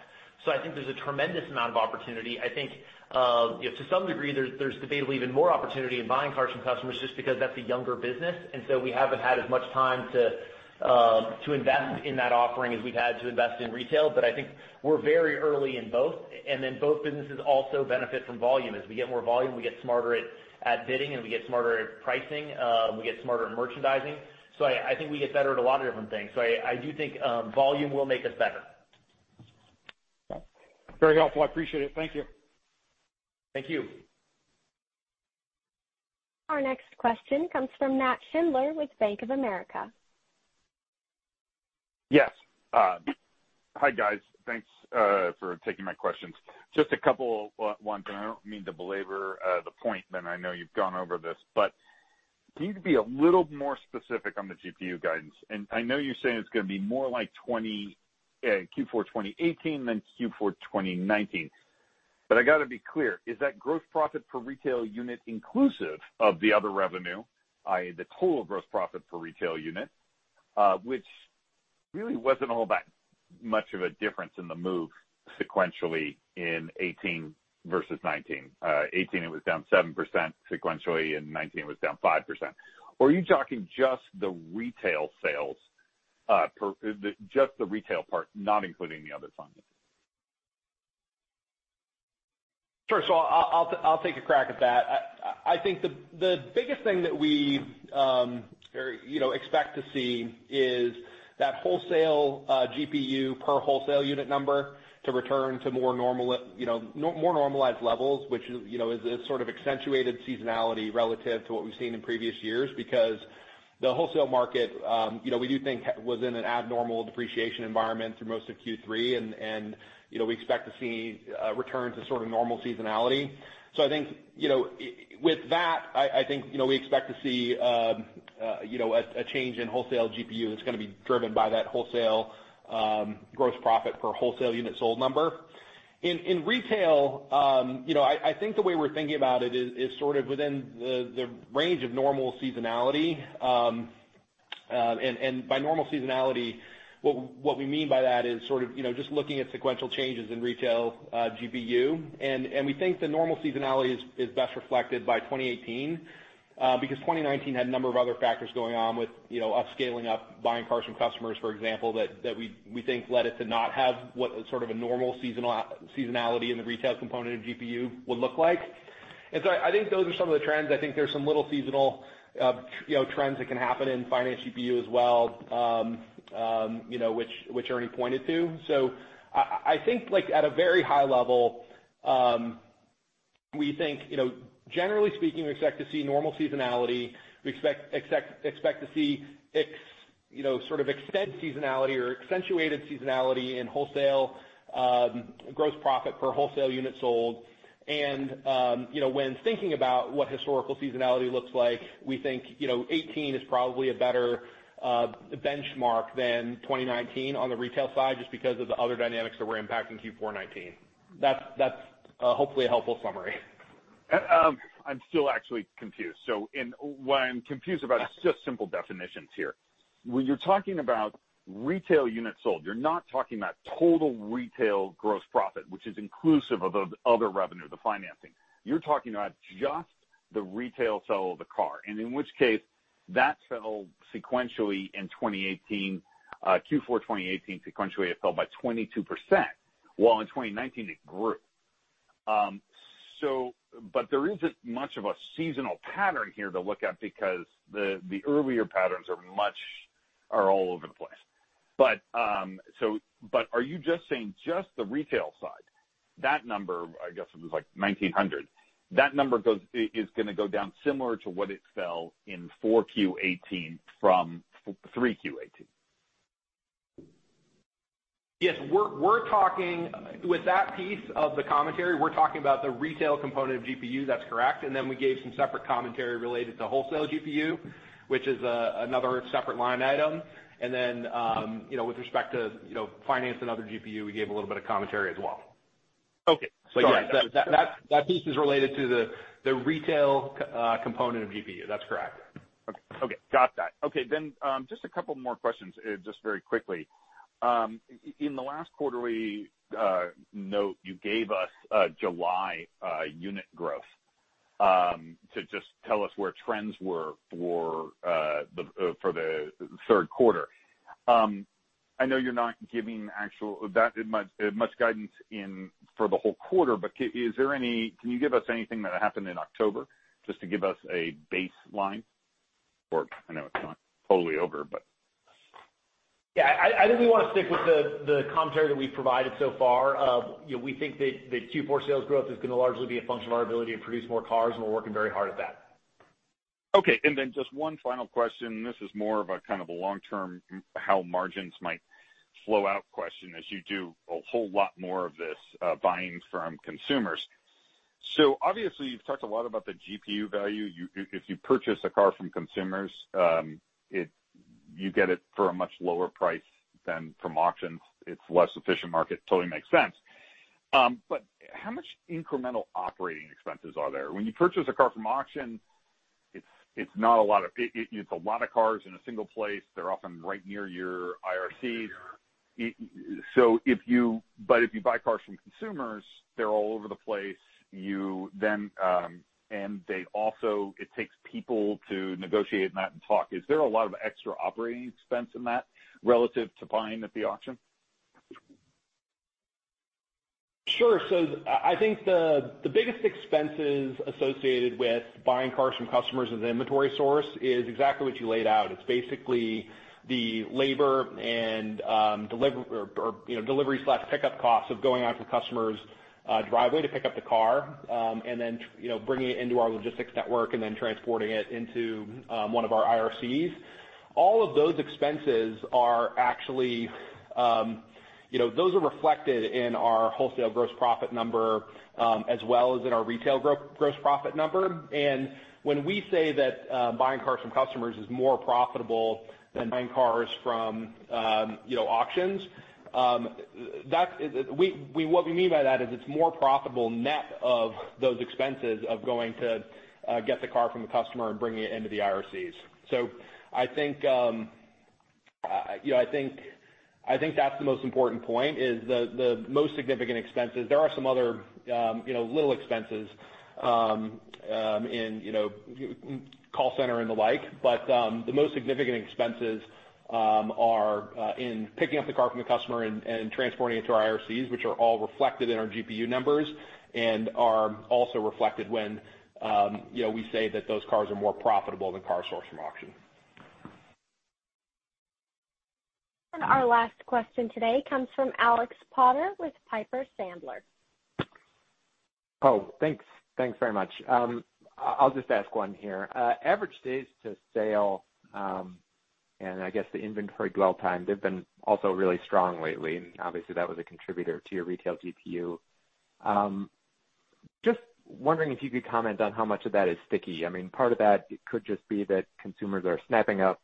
I think there's a tremendous amount of opportunity. I think to some degree, there's debatably even more opportunity in buying cars from customers just because that's a younger business. We haven't had as much time to invest in that offering as we've had to invest in retail. I think we're very early in both. Both businesses also benefit from volume. As we get more volume, we get smarter at bidding and we get smarter at pricing, we get smarter at merchandising. I think we get better at a lot of different things. I do think volume will make us better. Very helpful, I appreciate it. Thank you. Thank you. Our next question comes from Nat Schindler with Bank of America. Hi, guys. Thanks for taking my questions. Just a couple ones, and I don't mean to you've gone over this, but can you be a little more specific on the GPU guidance? I know you're saying it's going to be more like Q4 2018 than Q4 2019, but I got to be clear, is that gross profit per retail unit inclusive of the other revenue, i.e. the total gross profit per retail unit, which really wasn't all that much of a difference in the move sequentially in 2018 versus 2019. 2018 it was down 7%, sequentially in 2019 it was down 5%. Are you talking just the retail part, not including the other funding? Sure. I'll take a crack at that. I think the biggest thing that we expect to see is that wholesale GPU per wholesale unit number to return to more normalized levels, which is sort of accentuated seasonality relative to what we've seen in previous years because the wholesale market we do think was in an abnormal depreciation environment through most of Q3 and we expect to see a return to sort of normal seasonality. I think with that, we expect to see a change in wholesale GPU that's going to be driven by that wholesale gross profit per wholesale unit sold number. In retail, I think the way we're thinking about it is sort of within the range of normal seasonality. By normal seasonality, what we mean by that is sort of just looking at sequential changes in retail GPU. We think the normal seasonality is best reflected by 2018, because 2019 had a number of other factors going on with us scaling up buying cars from customers, for example, that we think led it to not have what sort of a normal seasonality in the retail component of GPU would look like. I think those are some of the trends. I think there's some little seasonal trends that can happen in finance GPU as well, which Ernie pointed to. So I think at a very high level, we think, generally speaking, we expect to see normal seasonality. We expect to see sort of extent seasonality or accentuated seasonality in wholesale gross profit per wholesale unit sold. When thinking about what historical seasonality looks like, we think 2018 is probably a better benchmark than 2019 on the retail side, just because of the other dynamics that were impacting Q4 2019. That's hopefully a helpful summary. I'm still actually confused. What I'm confused about is just simple definitions here. When you're talking about retail units sold, you're not talking about total retail gross profit, which is inclusive of the other revenue, the financing. You're talking about just the retail sale of the car, in which case, that fell sequentially in Q4 2018, sequentially it fell by 22%, while in 2019 it grew. There isn't much of a seasonal pattern here to look at because the earlier patterns are all over the place. Are you just saying just the retail side? That number, I guess it was like 1,900, that number is going to go down similar to what it fell in 4Q 2018 from 3Q 2018. Yes. With that piece of the commentary, we're talking about the retail component of GPU, that's correct. We gave some separate commentary related to wholesale GPU, which is another separate line item. With respect to finance and other GPU, we gave a little bit of commentary as well. Okay. Got it. Yes, that piece is related to the retail component of GPU. That's correct. Okay. Got that. Okay, just a couple more questions, just very quickly. In the last quarterly note, you gave us July unit growth to just tell us where trends were for the third quarter. I know you're not giving much guidance for the whole quarter, but can you give us anything that happened in October, just to give us a baseline? Yeah, I think we want to stick with the commentary that we've provided so far of we think that Q4 sales growth is going to largely be a function of our ability to produce more cars, and we're working very hard at that. Okay, just one final question. This is more of a kind of a long-term, how margins might flow out question as you do a whole lot more of this buying from consumers. Obviously, you've talked a lot about the GPU value. If you purchase a car from consumers, you get it for a much lower price than from auctions. It's a less efficient market, totally makes sense. How much incremental operating expenses are there? When you purchase a car from auction, it's a lot of cars in a single place. They're often right near your IRCs. If you buy cars from consumers, they're all over the place, and it takes people to negotiate that and talk. Is there a lot of extra operating expense in that relative to buying at the auction? Sure. I think the biggest expenses associated with buying cars from customers as an inventory source is exactly what you laid out. It's basically the labor and delivery/pickup costs of going out to the customer's driveway to pick up the car, and then bringing it into our logistics network and then transporting it into one of our IRCs. All of those expenses are reflected in our wholesale gross profit number as well as in our retail gross profit number. When we say that buying cars from customers is more profitable than buying cars from auctions, what we mean by that is it's more profitable net of those expenses of going to get the car from the customer and bringing it into the IRCs. I think that's the most important point, is the most significant expenses. There are some other little expenses in call center and the like, but the most significant expenses are in picking up the car from the customer and transporting it to our IRCs, which are all reflected in our GPU numbers and are also reflected when we say that those cars are more profitable than cars sourced from auction. Our last question today comes from Alex Potter with Piper Sandler. Thanks. Thanks very much. I'll just ask one here. Average days to sale, and I guess the inventory dwell time, they've been also really strong lately, and obviously that was a contributor to your retail GPU. Just wondering if you could comment on how much of that is sticky. Part of that could just be that consumers are snapping up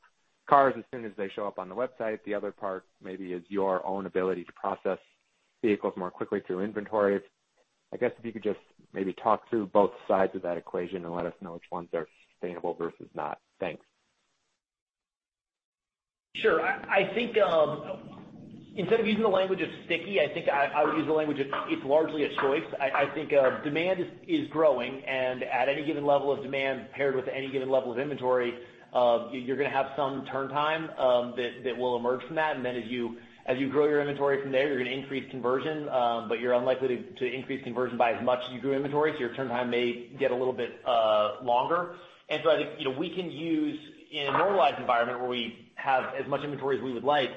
cars as soon as they show up on the website. The other part maybe is your own ability to process vehicles more quickly through inventory. I guess if you could just maybe talk through both sides of that equation and let us know which ones are sustainable versus not. Thanks. Sure. I think instead of using the language of sticky, I think I would use the language of it's largely a choice. I think demand is growing, and at any given level of demand paired with any given level of inventory, you're going to have some turn time that will emerge from that. As you grow your inventory from there, you're going to increase conversion, but you're unlikely to increase conversion by as much as you grew inventory, so your turn time may get a little bit longer. I think we can use, in a normalized environment where we have as much inventory as we would like,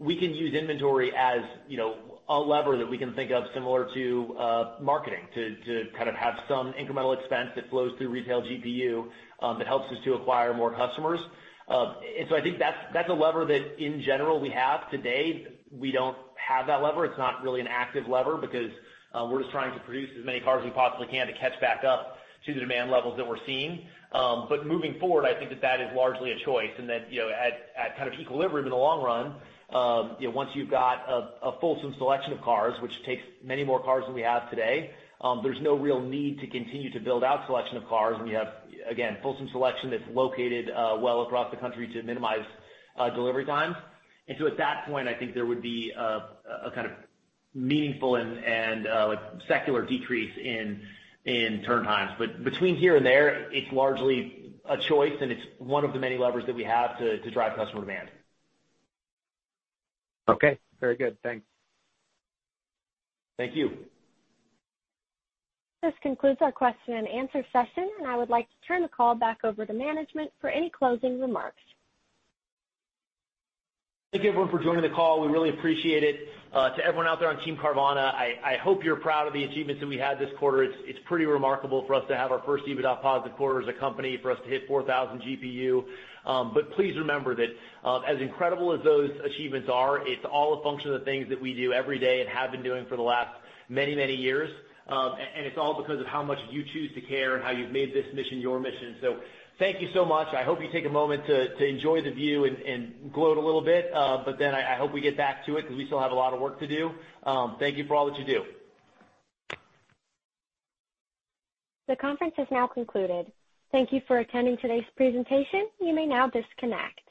we can use inventory as a lever that we can think of similar to marketing to kind of have some incremental expense that flows through retail GPU that helps us to acquire more customers. I think that's a lever that in general we have today. We don't have that lever. It's not really an active lever because we're just trying to produce as many cars as we possibly can to catch back up to the demand levels that we're seeing. Moving forward, I think that that is largely a choice, and that at kind of equilibrium in the long run, once you've got a fulsome selection of cars, which takes many more cars than we have today, there's no real need to continue to build out selection of cars when you have, again, fulsome selection that's located well across the country to minimize delivery times. At that point, I think there would be a kind of meaningful and secular decrease in turn times. Between here and there, it's largely a choice, and it's one of the many levers that we have to drive customer demand. Okay. Very good. Thanks. Thank you. This concludes our question and answer session, and I would like to turn the call back over to management for any closing remarks. Thank you, everyone, for joining the call. We really appreciate it. To everyone out there on Team Carvana, I hope you're proud of the achievements that we had this quarter. It's pretty remarkable for us to have our first EBITDA positive quarter as a company, for us to hit 4,000 GPU. Please remember that as incredible as those achievements are, it's all a function of the things that we do every day and have been doing for the last many, many years. It's all because of how much you choose to care and how you've made this mission your mission. Thank you so much. I hope you take a moment to enjoy the view and gloat a little bit. Then I hope we get back to it because we still have a lot of work to do. Thank you for all that you do. The conference has now concluded. Thank you for attending today's presentation. You may now disconnect.